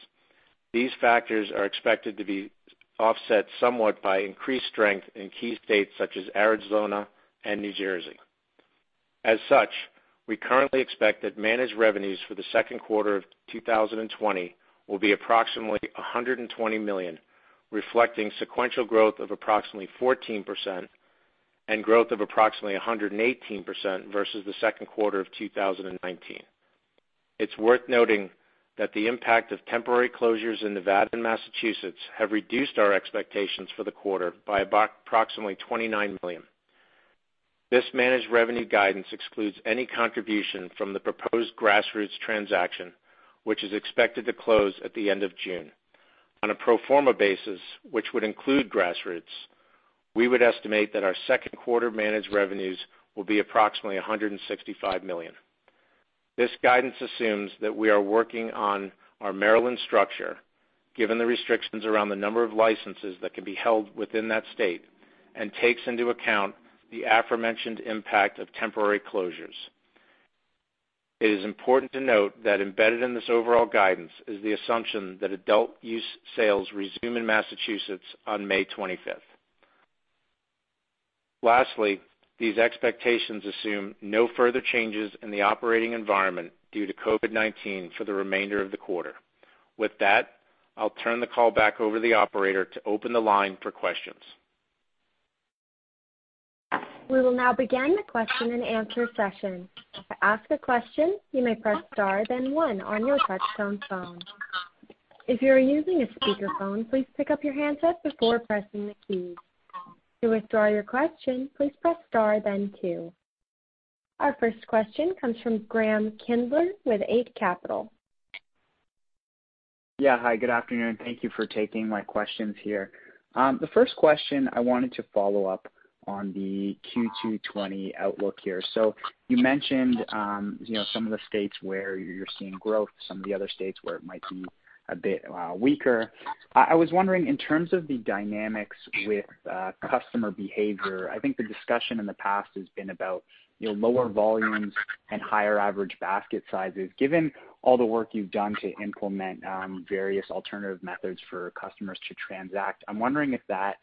These factors are expected to be offset somewhat by increased strength in key states such as Arizona and New Jersey. As such, we currently expect that managed revenues for the second quarter of 2020 will be approximately $120 million, reflecting sequential growth of approximately 14% and growth of approximately 118% versus the second quarter of 2019. It's worth noting that the impact of temporary closures in Nevada and Massachusetts have reduced our expectations for the quarter by approximately $29 million. This managed revenue guidance excludes any contribution from the proposed grassroots transaction, which is expected to close at the end of June. On a pro forma basis, which would include grassroots, we would estimate that our second quarter managed revenues will be approximately $165 million. This guidance assumes that we are working on our Maryland structure, given the restrictions around the number of licenses that can be held within that state, and takes into account the aforementioned impact of temporary closures. It is important to note that embedded in this overall guidance is the assumption that adult use sales resume in Massachusetts on May 25th. Lastly, these expectations assume no further changes in the operating environment due to COVID-19 for the remainder of the quarter. With that, I'll turn the call back over to the operator to open the line for questions. We will now begin the question-and-answer session. To ask a question, you may press star, then one on your touch-tone phone. If you are using a speakerphone, please pick up your handset before pressing the keys. To withdraw your question, please press star, then two. Our first question comes from Graeme Kreindler with Eight Capital. Yeah, hi. Good afternoon. Thank you for taking my questions here. The first question I wanted to follow up on the Q2 2020 outlook here. So you mentioned some of the states where you're seeing growth, some of the other states where it might be a bit weaker. I was wondering, in terms of the dynamics with customer behavior, I think the discussion in the past has been about lower volumes and higher average basket sizes. Given all the work you've done to implement various alternative methods for customers to transact, I'm wondering if that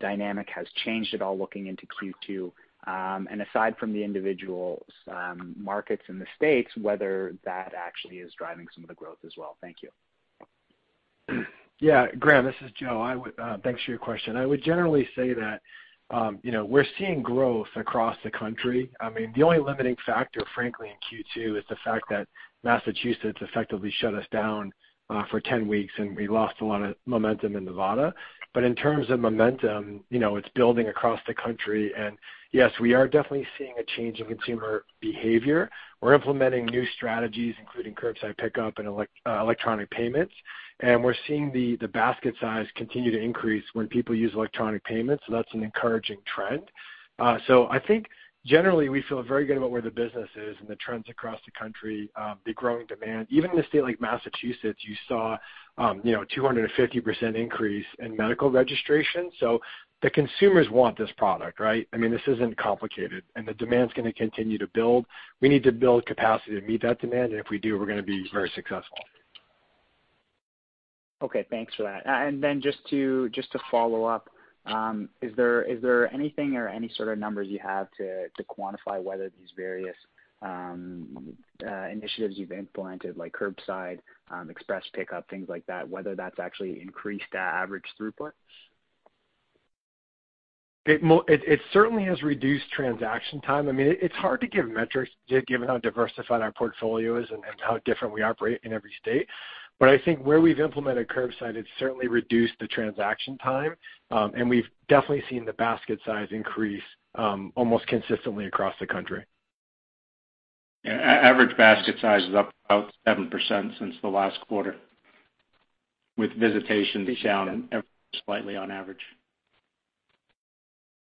dynamic has changed at all looking into Q2. And aside from the individual markets in the states, whether that actually is driving some of the growth as well. Thank you. Yeah, Graeme, this is Joe. Thanks for your question. I would generally say that we're seeing growth across the country. I mean, the only limiting factor, frankly, in Q2 is the fact that Massachusetts effectively shut us down for 10 weeks, and we lost a lot of momentum in Nevada. But in terms of momentum, it's building across the country. And yes, we are definitely seeing a change in consumer behavior. We're implementing new strategies, including curbside pickup and electronic payments. And we're seeing the basket size continue to increase when people use electronic payments. So that's an encouraging trend. So I think generally we feel very good about where the business is and the trends across the country, the growing demand. Even in a state like Massachusetts, you saw a 250% increase in medical registration. So the consumers want this product, right? I mean, this isn't complicated, and the demand's going to continue to build. We need to build capacity to meet that demand, and if we do, we're going to be very successful. Okay. Thanks for that. And then just to follow up, is there anything or any sort of numbers you have to quantify whether these various initiatives you've implemented, like curbside, express pickup, things like that, whether that's actually increased that average throughput? It certainly has reduced transaction time. I mean, it's hard to give metrics given how diversified our portfolio is and how different we operate in every state. But I think where we've implemented curbside, it's certainly reduced the transaction time, and we've definitely seen the basket size increase almost consistently across the country. Average basket size is up about 7% since the last quarter, with visitations down slightly on average.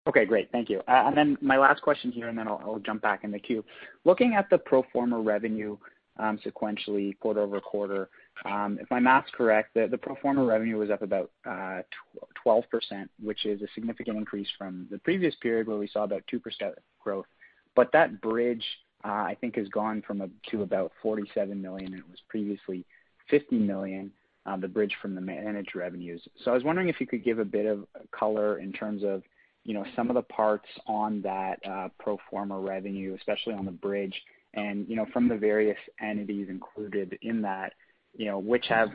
Okay. Great. Thank you. And then my last question here, and then I'll jump back in the queue. Looking at the pro forma revenue sequentially quarter over quarter, if my math's correct, the pro forma revenue was up about 12%, which is a significant increase from the previous period where we saw about 2% growth. But that bridge, I think, has gone from up to about $47 million. It was previously $50 million, the bridge from the managed revenues. So I was wondering if you could give a bit of color in terms of some of the parts on that pro forma revenue, especially on the bridge, and from the various entities included in that, which have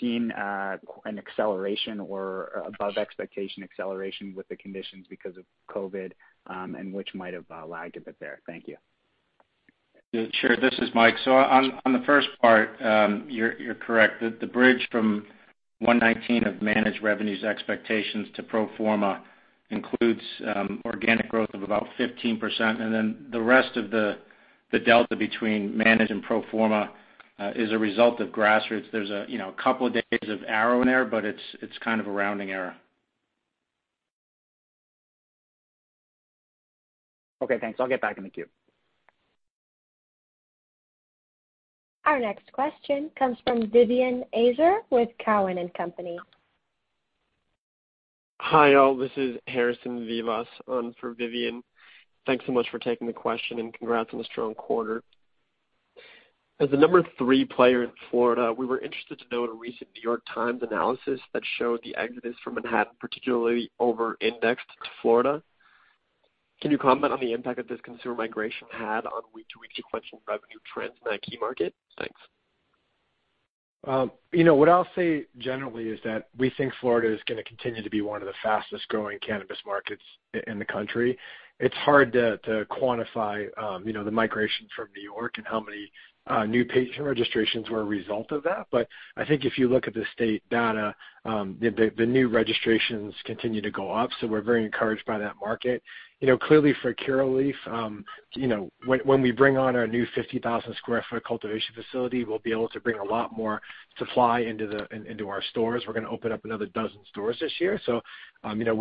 seen an acceleration or above-expectation acceleration with the conditions because of COVID, and which might have lagged a bit there. Thank you. Sure. This is Mike. So on the first part, you're correct. The bridge from $119 million of managed revenues expectations to pro forma includes organic growth of about 15%. And then the rest of the delta between managed and pro forma is a result of Grassroots. There's a couple of days of Arrow in there, but it's kind of a rounding error. Okay. Thanks. I'll get back in the queue. Our next question comes from Vivian Azer with Cowen & Company. Hi, all. This is Harrison Vallas on for Vivian. Thanks so much for taking the question, and congrats on the strong quarter. As the number three player in Florida, we were interested to know a recent New York Times analysis that showed the exodus from Manhattan particularly over-indexed to Florida. Can you comment on the impact that this consumer migration had on week-to-week sequential revenue trends in that key market? Thanks. What I'll say generally is that we think Florida is going to continue to be one of the fastest-growing cannabis markets in the country. It's hard to quantify the migration from New York and how many new patient registrations were a result of that. But I think if you look at the state data, the new registrations continue to go up. So we're very encouraged by that market. Clearly, for Curaleaf, when we bring on our new 50,000 sq ft cultivation facility, we'll be able to bring a lot more supply into our stores. We're going to open up another dozen stores this year. So we're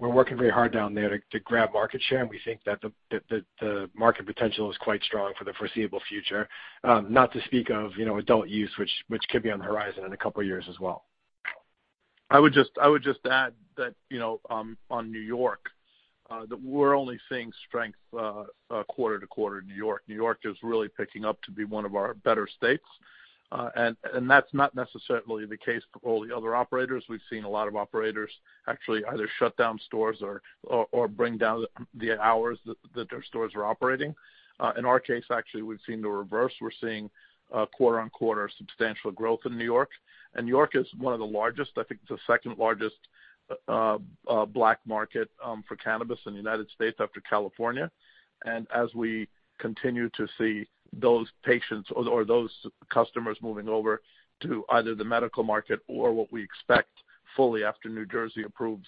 working very hard down there to grab market share, and we think that the market potential is quite strong for the foreseeable future, not to speak of adult use, which could be on the horizon in a couple of years as well. I would just add that on New York, we're only seeing strength quarter to quarter in New York. New York is really picking up to be one of our better states. That's not necessarily the case for all the other operators. We've seen a lot of operators actually either shut down stores or bring down the hours that their stores are operating. In our case, actually, we've seen the reverse. We're seeing quarter on quarter substantial growth in New York. New York is one of the largest. I think it's the second largest black market for cannabis in the United States after California. As we continue to see those patients or those customers moving over to either the medical market or what we expect fully after New Jersey approves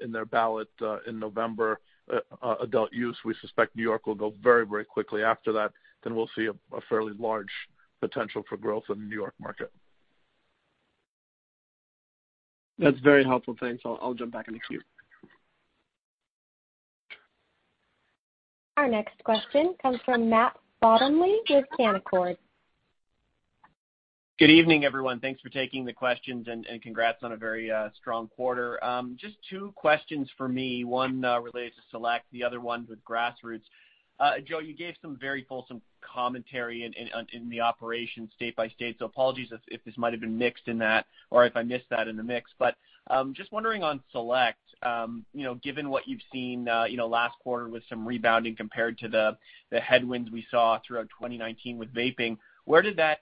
in their ballot in November, adult use, we suspect New York will go very, very quickly after that. Then we'll see a fairly large potential for growth in the New York market. That's very helpful. Thanks. I'll jump back in the queue. Our next question comes from Matt Bottomley with Canaccord Genuity. Good evening, everyone. Thanks for taking the questions, and congrats on a very strong quarter. Just two questions for me. One related to Select, the other one with Grassroots. Joe, you gave some very fulsome commentary in the operation state by state. So apologies if this might have been mixed in that or if I missed that in the mix. But just wondering on Select, given what you've seen last quarter with some rebounding compared to the headwinds we saw throughout 2019 with vaping, where did that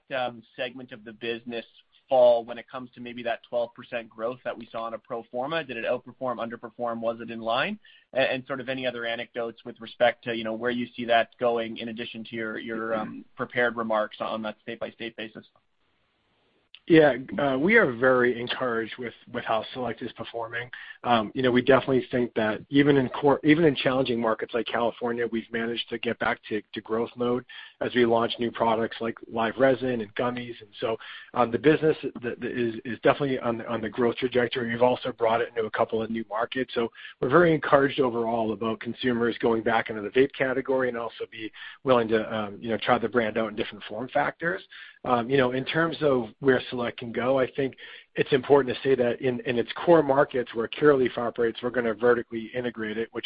segment of the business fall when it comes to maybe that 12% growth that we saw on a pro forma? Did it outperform, underperform, was it in line? And sort of any other anecdotes with respect to where you see that going in addition to your prepared remarks on that state by state basis? Yeah. We are very encouraged with how Select is performing. We definitely think that even in challenging markets like California, we've managed to get back to growth mode as we launch new products like live resin and gummies, and so the business is definitely on the growth trajectory. We've also brought it into a couple of new markets, so we're very encouraged overall about consumers going back into the vape category and also be willing to try the brand out in different form factors. In terms of where Select can go, I think it's important to say that in its core markets where Curaleaf operates, we're going to vertically integrate it, which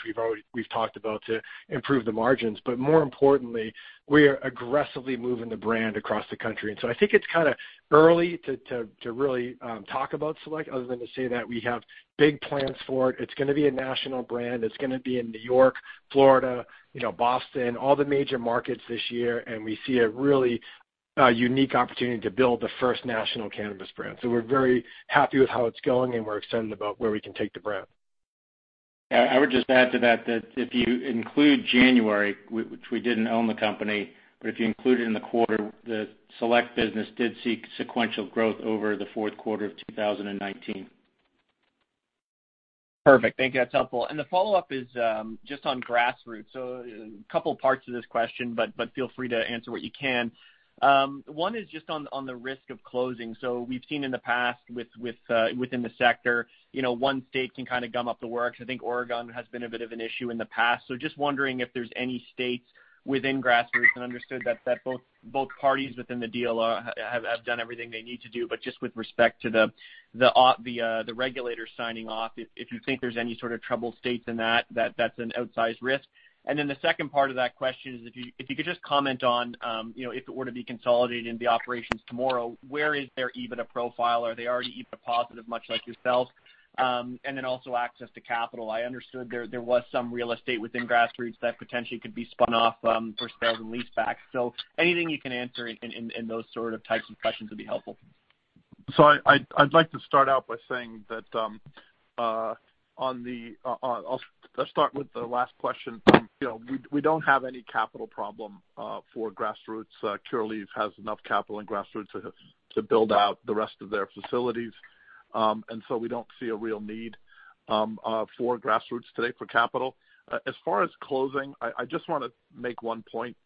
we've talked about to improve the margins, but more importantly, we are aggressively moving the brand across the country. And so I think it's kind of early to really talk about Select other than to say that we have big plans for it. It's going to be a national brand. It's going to be in New York, Florida, Boston, all the major markets this year. And we see a really unique opportunity to build the first national cannabis brand. So we're very happy with how it's going, and we're excited about where we can take the brand. I would just add to that that if you include January, which we didn't own the company, but if you include it in the quarter, the Select business did see sequential growth over the fourth quarter of 2019. Perfect. Thank you. That's helpful, and the follow-up is just on Grassroots. So, a couple of parts of this question, but feel free to answer what you can. One is just on the risk of closing. So, we've seen in the past within the sector, one state can kind of gum up the works. I think Oregon has been a bit of an issue in the past. So, just wondering if there's any states within Grassroots, and understood that both parties within the deal have done everything they need to do. But, just with respect to the regulator signing off, if you think there's any sort of troubled states in that, that's an outsized risk. And then, the second part of that question is if you could just comment on if it were to be consolidated in the operations tomorrow, where is there even a profile? Are they already even a positive, much like yourself? And then also access to capital. I understood there was some real estate within Grassroots that potentially could be spun off for sales and leasebacks. So anything you can answer in those sort of types of questions would be helpful. I'd like to start out by saying that on that. I'll start with the last question. We don't have any capital problem for Grassroots. Curaleaf has enough capital in Grassroots to build out the rest of their facilities. And so we don't see a real need for Grassroots today for capital. As far as closing, I just want to make one point.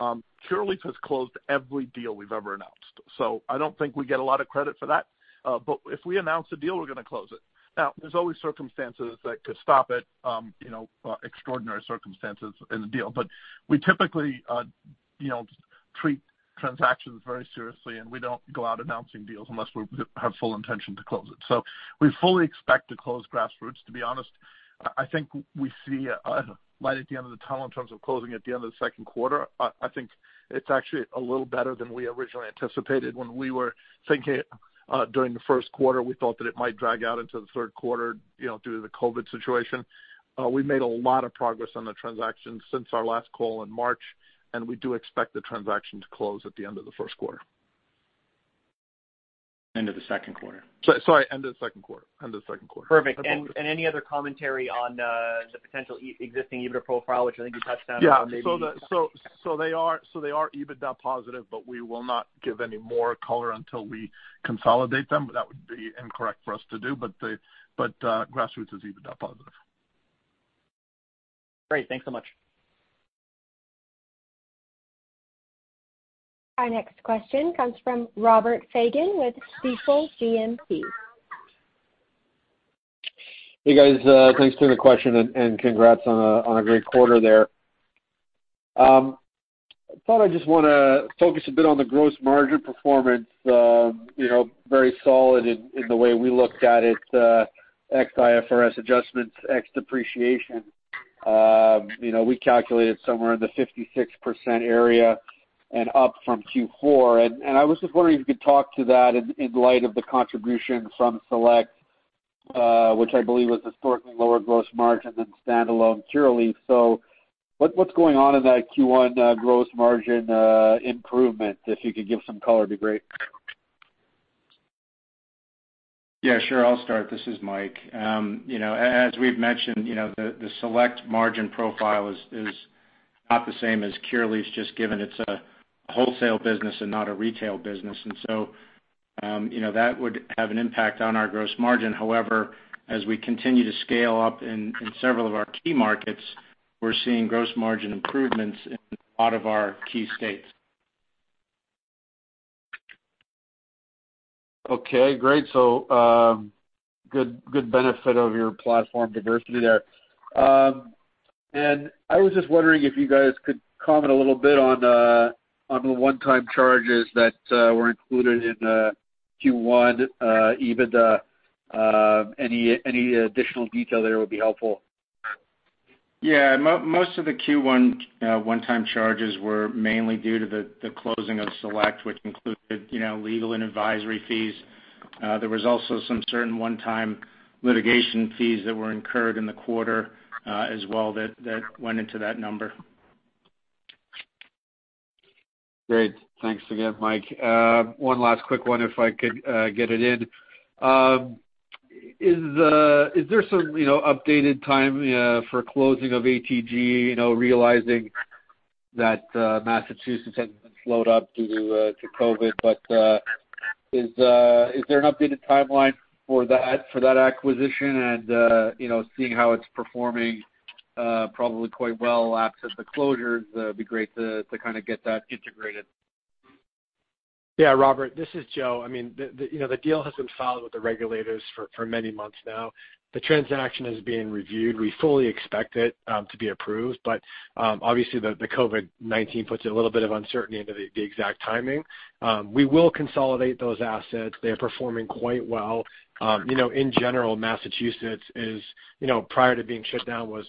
Curaleaf has closed every deal we've ever announced. So I don't think we get a lot of credit for that. But if we announce a deal, we're going to close it. Now, there's always circumstances that could stop it, extraordinary circumstances in the deal. But we typically treat transactions very seriously, and we don't go out announcing deals unless we have full intention to close it. So we fully expect to close Grassroots. To be honest, I think we see a light at the end of the tunnel in terms of closing at the end of the second quarter. I think it's actually a little better than we originally anticipated when we were thinking during the first quarter. We thought that it might drag out into the third quarter due to the COVID situation. We've made a lot of progress on the transactions since our last call in March, and we do expect the transaction to close at the end of the first quarter. End of the second quarter. Sorry. End of the second quarter. Perfect. And any other commentary on the potential existing EBITDA profile, which I think you touched on? Yeah. So they are EBITDA positive, but we will not give any more color until we consolidate them. That would be incorrect for us to do. But Grassroots is EBITDA positive. Great. Thanks so much. Our next question comes from Robert Fagan with Stifel GMP. Hey, guys. Thanks for the question, and congrats on a great quarter there. I thought I just want to focus a bit on the gross margin performance. Very solid in the way we looked at it, ex IFRS adjustments, ex depreciation. We calculated somewhere in the 56% area and up from Q4. And I was just wondering if you could talk to that in light of the contribution from Select, which I believe was historically lower gross margin than standalone Curaleaf. So what's going on in that Q1 gross margin improvement? If you could give some color, it'd be great. Yeah. Sure. I'll start. This is Mike. As we've mentioned, the Select margin profile is not the same as Curaleaf, just given it's a wholesale business and not a retail business. And so that would have an impact on our gross margin. However, as we continue to scale up in several of our key markets, we're seeing gross margin improvements in a lot of our key states. Okay. Great. So good benefit of your platform diversity there. And I was just wondering if you guys could comment a little bit on the one-time charges that were included in Q1 EBITDA? Any additional detail there would be helpful. Yeah. Most of the Q1 one-time charges were mainly due to the closing of Select, which included legal and advisory fees. There was also some certain one-time litigation fees that were incurred in the quarter as well that went into that number. Great. Thanks again, Mike. One last quick one if I could get it in. Is there some updated time for closing of ATG, realizing that Massachusetts has been slowed up due to COVID? But is there an updated timeline for that acquisition and seeing how it's performing probably quite well after the closures? It'd be great to kind of get that integrated. Yeah. Robert, this is Joe. I mean, the deal has been filed with the regulators for many months now. The transaction is being reviewed. We fully expect it to be approved. But obviously, the COVID-19 puts a little bit of uncertainty into the exact timing. We will consolidate those assets. They are performing quite well. In general, Massachusetts is, prior to being shut down, was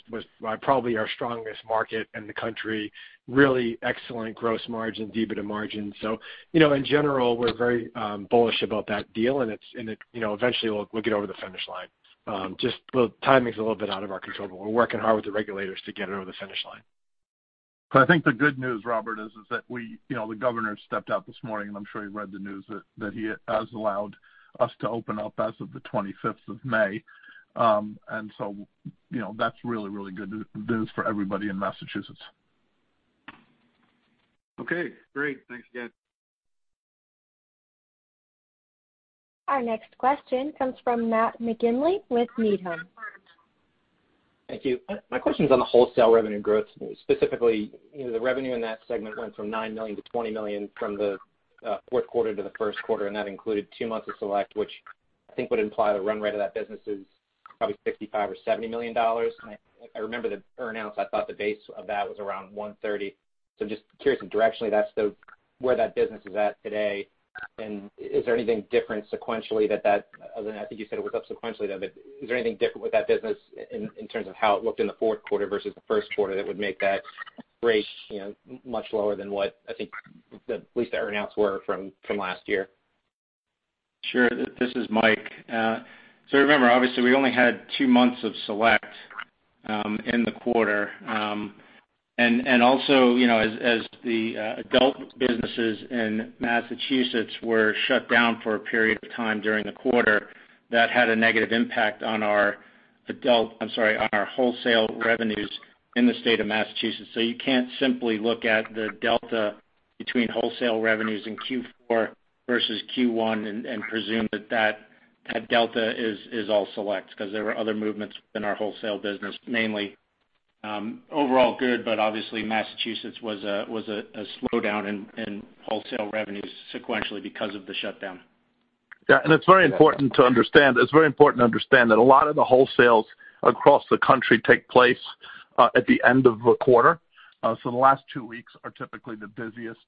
probably our strongest market in the country. Really excellent gross margins, EBITDA margins. So in general, we're very bullish about that deal. And eventually, we'll get over the finish line. Just the timing's a little bit out of our control, but we're working hard with the regulators to get it over the finish line. I think the good news, Robert, is that the governor stepped out this morning, and I'm sure you've read the news that he has allowed us to open up as of the 25th of May. That's really, really good news for everybody in Massachusetts. Okay. Great. Thanks again. Our next question comes from Matt McGinley with Needham. Thank you. My question's on the wholesale revenue growth. Specifically, the revenue in that segment went from $9 million to $20 million from the fourth quarter to the first quarter. And that included two months of Select, which I think would imply the run rate of that business is probably $65 million or $70 million. And I remember the earnings. I thought the base of that was around $130 million. So I'm just curious if directionally that's where that business is at today. And is there anything different sequentially that I think you said it was up sequentially, though. But is there anything different with that business in terms of how it looked in the fourth quarter versus the first quarter that would make that rate much lower than what I think at least the earnings were from last year? Sure. This is Mike. So remember, obviously, we only had two months of Select in the quarter. And also, as the adult businesses in Massachusetts were shut down for a period of time during the quarter, that had a negative impact on our adult. I'm sorry, on our wholesale revenues in the state of Massachusetts. So you can't simply look at the delta between wholesale revenues in Q4 versus Q1 and presume that that delta is all Select because there were other movements in our wholesale business. Mainly overall good, but obviously Massachusetts was a slowdown in wholesale revenues sequentially because of the shutdown. Yeah. It's very important to understand that a lot of the wholesales across the country take place at the end of the quarter. The last two weeks are typically the busiest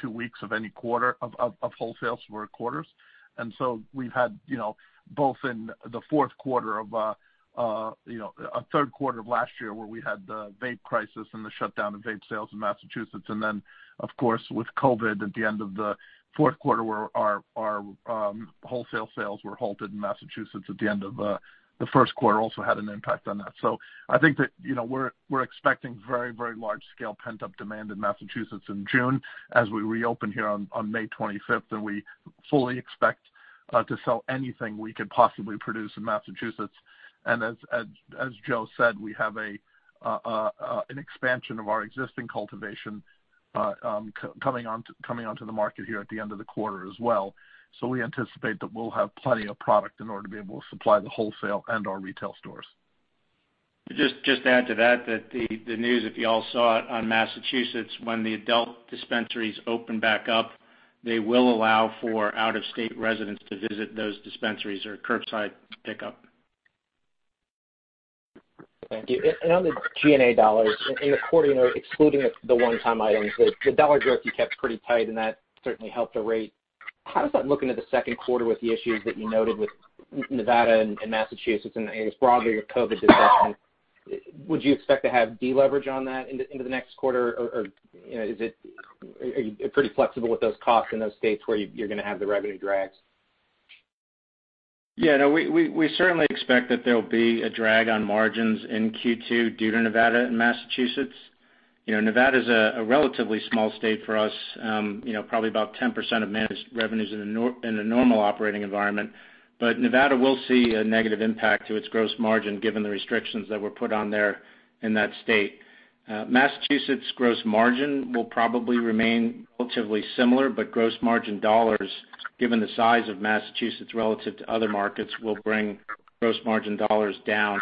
two weeks of any quarter of wholesales for quarters. We've had both in the fourth quarter and a third quarter of last year where we had the vape crisis and the shutdown of vape sales in Massachusetts. Then, of course, with COVID at the end of the fourth quarter where our wholesale sales were halted in Massachusetts at the end of the first quarter also had an impact on that. I think that we're expecting very, very large-scale pent-up demand in Massachusetts in June as we reopen here on May 25th. We fully expect to sell anything we could possibly produce in Massachusetts. And as Joe said, we have an expansion of our existing cultivation coming onto the market here at the end of the quarter as well. So we anticipate that we'll have plenty of product in order to be able to supply the wholesale and our retail stores. Just to add to that, the news, if you all saw it in Massachusetts, when the adult dispensaries open back up, they will allow for out-of-state residents to visit those dispensaries or curbside pickup. Thank you, and on the G&A dollars, excluding the one-time items, kept pretty tight, and that certainly helped the rate. How does that look into the second quarter with the issues that you noted with Nevada and Massachusetts and, I guess, broadly with COVID disruption? Would you expect to have deleverage on that into the next quarter? Or are you pretty flexible with those costs in those states where you're going to have the revenue drags? Yeah. No, we certainly expect that there'll be a drag on margins in Q2 due to Nevada and Massachusetts. Nevada is a relatively small state for us, probably about 10% of managed revenues in a normal operating environment. But Nevada will see a negative impact to its gross margin given the restrictions that were put on there in that state. Massachusetts' gross margin will probably remain relatively similar, but gross margin dollars, given the size of Massachusetts relative to other markets, will bring gross margin dollars down.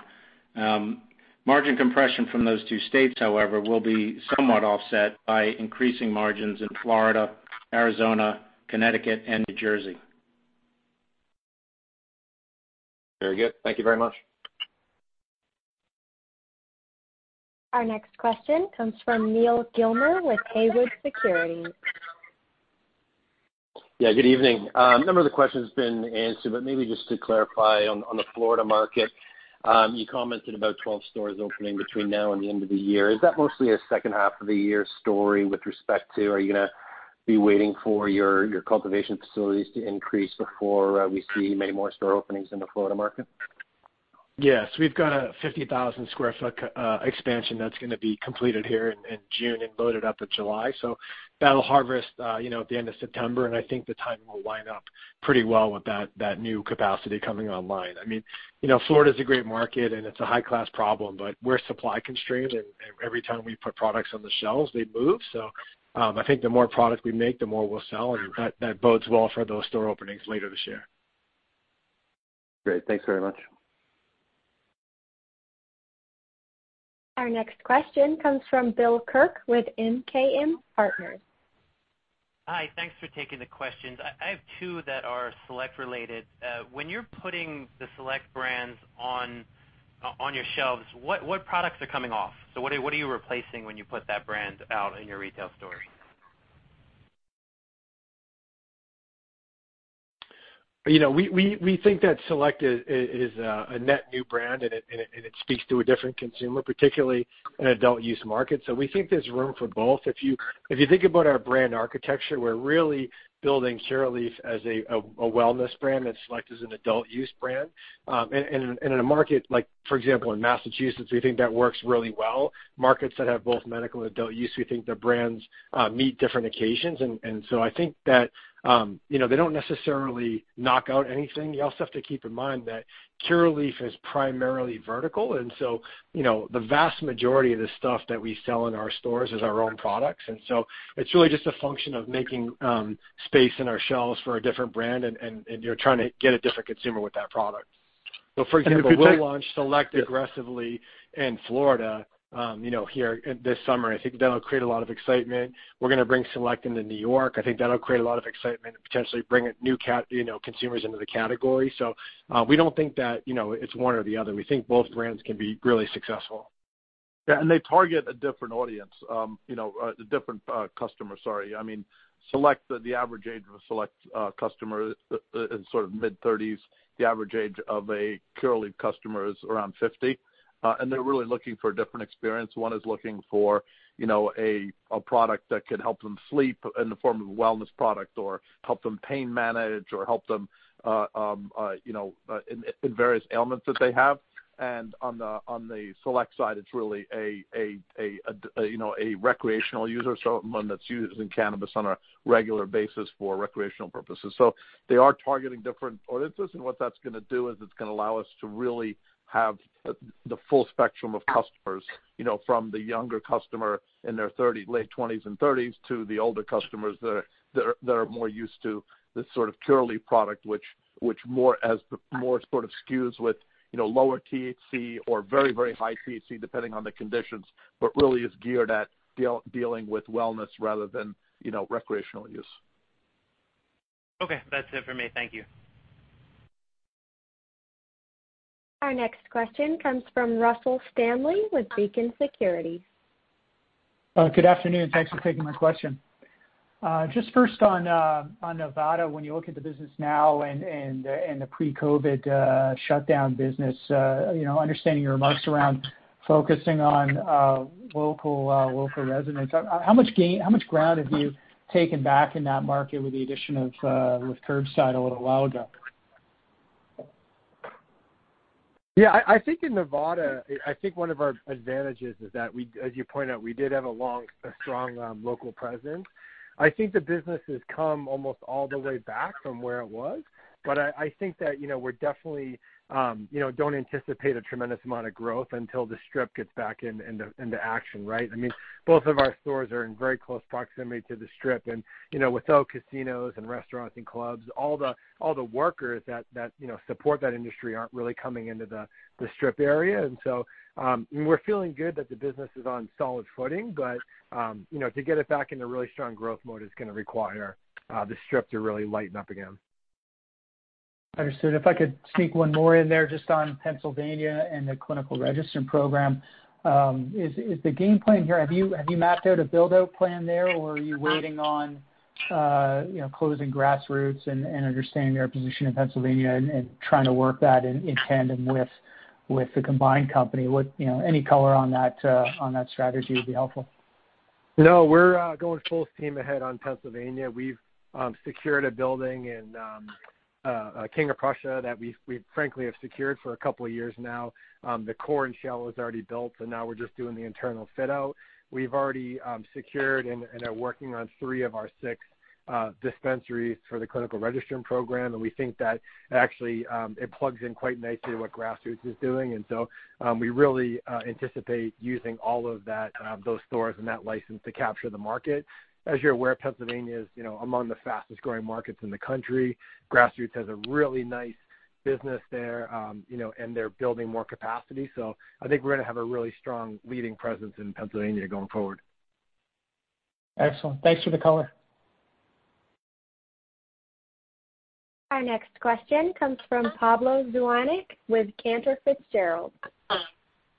Margin compression from those two states, however, will be somewhat offset by increasing margins in Florida, Arizona, Connecticut, and New Jersey. Very good. Thank you very much. Our next question comes from Neal Gilmer with Haywood Securities. Yeah. Good evening. A number of the questions have been answered, but maybe just to clarify, on the Florida market, you commented about 12 stores opening between now and the end of the year. Is that mostly a second half of the year story with respect to are you going to be waiting for your cultivation facilities to increase before we see many more store openings in the Florida market? Yes. We've got a 50,000 sq ft expansion that's going to be completed here in June and loaded up in July, so that'll harvest at the end of September, and I think the timing will line up pretty well with that new capacity coming online. I mean, Florida is a great market, and it's a high-class problem, but we're supply constrained, and every time we put products on the shelves, they move, so I think the more product we make, the more we'll sell, and that bodes well for those store openings later this year. Great. Thanks very much. Our next question comes from Bill Kirk with MKM Partners. Hi. Thanks for taking the questions. I have two that are Select-related. When you're putting the Select brands on your shelves, what products are coming off? So what are you replacing when you put that brand out in your retail stores? We think that Select is a net new brand, and it speaks to a different consumer, particularly an adult use market. So we think there's room for both. If you think about our brand architecture, we're really building Curaleaf as a wellness brand that Select is an adult use brand. And in a market like, for example, in Massachusetts, we think that works really well. Markets that have both medical and adult use, we think the brands meet different occasions. And so I think that they don't necessarily knock out anything. You also have to keep in mind that Curaleaf is primarily vertical. And so the vast majority of the stuff that we sell in our stores is our own products. And so it's really just a function of making space in our shelves for a different brand and trying to get a different consumer with that product. So for example, we'll launch Select aggressively in Florida here this summer. I think that'll create a lot of excitement. We're going to bring Select into New York. I think that'll create a lot of excitement and potentially bring new consumers into the category. So we don't think that it's one or the other. We think both brands can be really successful. Yeah. And they target a different audience, a different customer, sorry. I mean, the average age of a Select customer is sort of mid-30s. The average age of a Curaleaf customer is around 50. And they're really looking for a different experience. One is looking for a product that could help them sleep in the form of a wellness product or help them pain manage or help them in various ailments that they have. On the Select side, it's really a recreational user, someone that's using cannabis on a regular basis for recreational purposes. They are targeting different audiences. What that's going to do is it's going to allow us to really have the full spectrum of customers, from the younger customer in their late 20s and 30s to the older customers that are more used to this sort of Curaleaf product, which has more sort of SKUs with lower THC or very, very high THC depending on the conditions, but really is geared at dealing with wellness rather than recreational use. Okay. That's it for me. Thank you. Our next question comes from Russell Stanley with Beacon Securities. Good afternoon. Thanks for taking my question. Just first, on Nevada, when you look at the business now and the pre-COVID shutdown business, understanding your remarks around focusing on local residents, how much ground have you taken back in that market with the addition of curbside a little while ago? Yeah. I think in Nevada, I think one of our advantages is that, as you point out, we did have a strong local presence. I think the business has come almost all the way back from where it was. But I think that we definitely don't anticipate a tremendous amount of growth until the strip gets back into action, right? I mean, both of our stores are in very close proximity to the strip. And without casinos and restaurants and clubs, all the workers that support that industry aren't really coming into the strip area. And so we're feeling good that the business is on solid footing. But to get it back into really strong growth mode is going to require the strip to really lighten up again. Understood. If I could sneak one more in there just on Pennsylvania and the clinical registry program, is the game plan here? Have you mapped out a build-out plan there, or are you waiting on closing Grassroots and understanding their position in Pennsylvania and trying to work that in tandem with the combined company? Any color on that strategy would be helpful. No. We're going full steam ahead on Pennsylvania. We've secured a building in King of Prussia that we, frankly, have secured for a couple of years now. The core and shell is already built, and now we're just doing the internal fit-out. We've already secured and are working on three of our six dispensaries for the clinical registry program. And we think that actually it plugs in quite nicely to what Grassroots is doing. And so we really anticipate using all of those stores and that license to capture the market. As you're aware, Pennsylvania is among the fastest-growing markets in the country. Grassroots has a really nice business there, and they're building more capacity. So I think we're going to have a really strong leading presence in Pennsylvania going forward. Excellent. Thanks for the color. Our next question comes from Pablo Zuanic with Cantor Fitzgerald.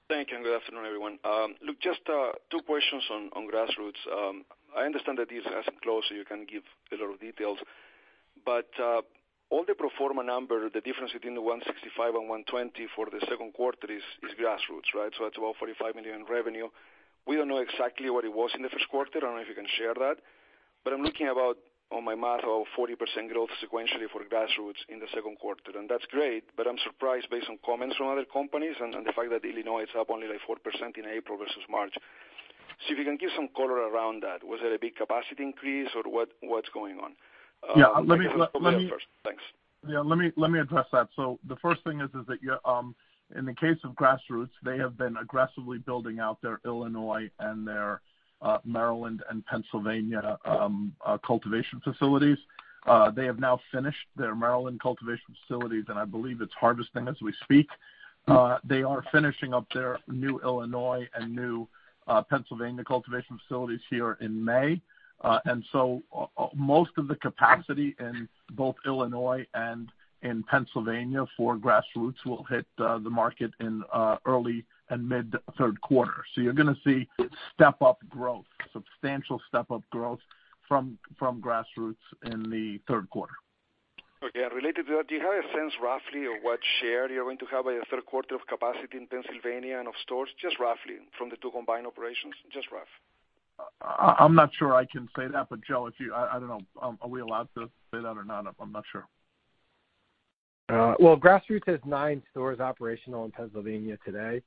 Thank you. And good afternoon, everyone. Look, just two questions on Grassroots. I understand that this hasn't closed, so you can't give a lot of details. But all the pro forma number, the difference between the $165 million and $120 million for the second quarter is Grassroots, right? So that's about $45 million in revenue. We don't know exactly what it was in the first quarter. I don't know if you can share that. But I'm looking on my math, about 40% growth sequentially for Grassroots in the second quarter. And that's great. But I'm surprised based on comments from other companies and the fact that Illinois is up only like 4% in April versus March. So if you can give some color around that, was there a big capacity increase or what's going on? Yeah. Let me. Let me address that. Yeah. Let me address that. So the first thing is that in the case of Grassroots, they have been aggressively building out their Illinois and their Maryland and Pennsylvania cultivation facilities. They have now finished their Maryland cultivation facilities, and I believe it's harvesting as we speak. They are finishing up their new Illinois and new Pennsylvania cultivation facilities here in May. And so most of the capacity in both Illinois and in Pennsylvania for Grassroots will hit the market in early and mid-third quarter. So you're going to see step-up growth, substantial step-up growth from Grassroots in the third quarter. Okay. And related to that, do you have a sense roughly of what share you're going to have by the third quarter of capacity in Pennsylvania and of stores? Just roughly from the two combined operations. Just rough. I'm not sure I can say that. But Joe, I don't know. Are we allowed to say that or not? I'm not sure. Grassroots has nine stores operational in Pennsylvania today.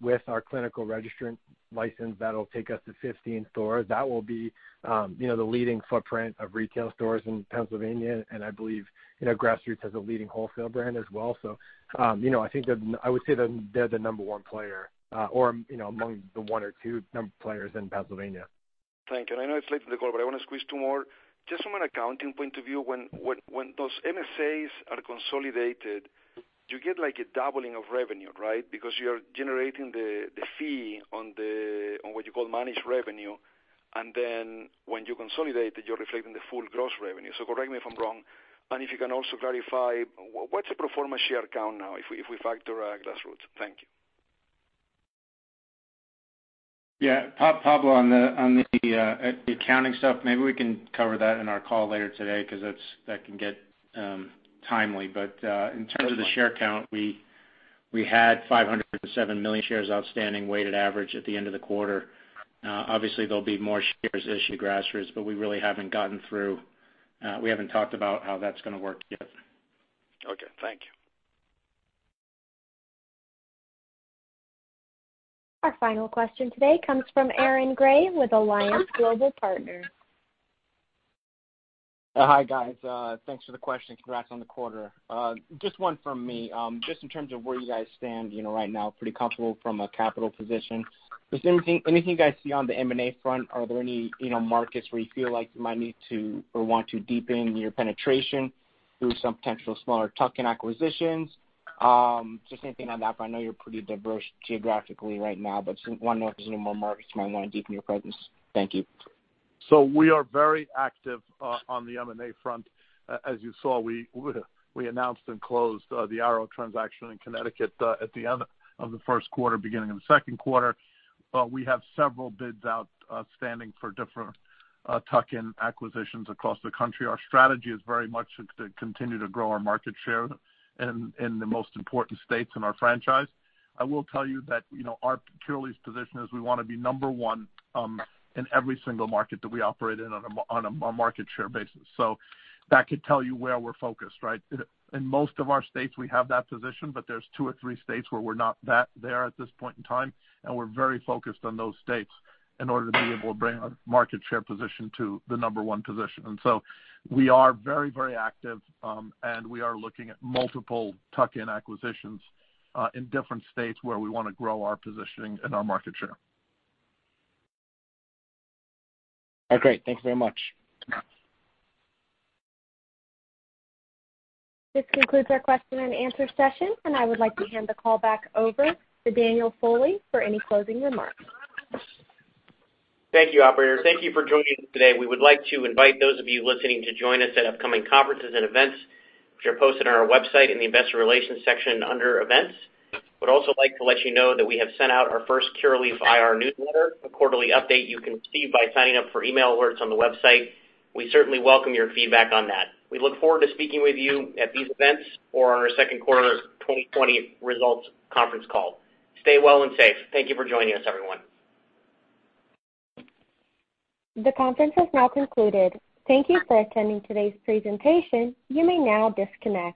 With our clinical registry license, that'll take us to 15 stores. That will be the leading footprint of retail stores in Pennsylvania. I believe Grassroots has a leading wholesale brand as well. I think I would say they're the number one player or among the one or two players in Pennsylvania. Thank you. And I know it's late in the call, but I want to squeeze two more. Just from an accounting point of view, when those MSAs are consolidated, you get a doubling of revenue, right? Because you're generating the fee on what you call managed revenue. And then when you consolidate it, you're reflecting the full gross revenue. So correct me if I'm wrong. And if you can also clarify, what's the pro forma share count now if we factor Grassroots? Thank you. Yeah. Pablo, on the accounting stuff, maybe we can cover that in our call later today because that can get timely. But in terms of the share count, we had 507 million shares outstanding weighted average at the end of the quarter. Obviously, there'll be more shares issued to Grassroots, but we really haven't gotten through. We haven't talked about how that's going to work yet. Okay. Thank you. Our final question today comes from Aaron Gray with Alliance Global Partners. Hi, guys. Thanks for the question. Congrats on the quarter. Just one from me. Just in terms of where you guys stand right now, pretty comfortable from a capital position. Just anything you guys see on the M&A front? Are there any markets where you feel like you might need to or want to deepen your penetration through some potential smaller tuck-in acquisitions? Just anything on that front. I know you're pretty diverse geographically right now, but just want to know if there's any more markets you might want to deepen your presence. Thank you. So we are very active on the M&A front. As you saw, we announced and closed the Arrow transaction in Connecticut at the end of the first quarter, beginning of the second quarter. We have several bids outstanding for different tuck-in acquisitions across the country. Our strategy is very much to continue to grow our market share in the most important states in our franchise. I will tell you that our Curaleaf position is we want to be number one in every single market that we operate in on a market share basis. So that could tell you where we're focused, right? In most of our states, we have that position, but there's two or three states where we're not there at this point in time. And we're very focused on those states in order to be able to bring our market share position to the number one position. And so we are very, very active, and we are looking at multiple tuck-in acquisitions in different states where we want to grow our positioning and our market share. All right. Great. Thank you very much. This concludes our question-and-answer session, and I would like to hand the call back over to Daniel Foley for any closing remarks. Thank you, operator. Thank you for joining us today. We would like to invite those of you listening to join us at upcoming conferences and events, which are posted on our website in the investor relations section under events. We'd also like to let you know that we have sent out our first Curaleaf IR newsletter, a quarterly update you can receive by signing up for email alerts on the website. We certainly welcome your feedback on that. We look forward to speaking with you at these events or on our second quarter 2020 results conference call. Stay well and safe. Thank you for joining us, everyone. The conference has now concluded. Thank you for attending today's presentation. You may now disconnect.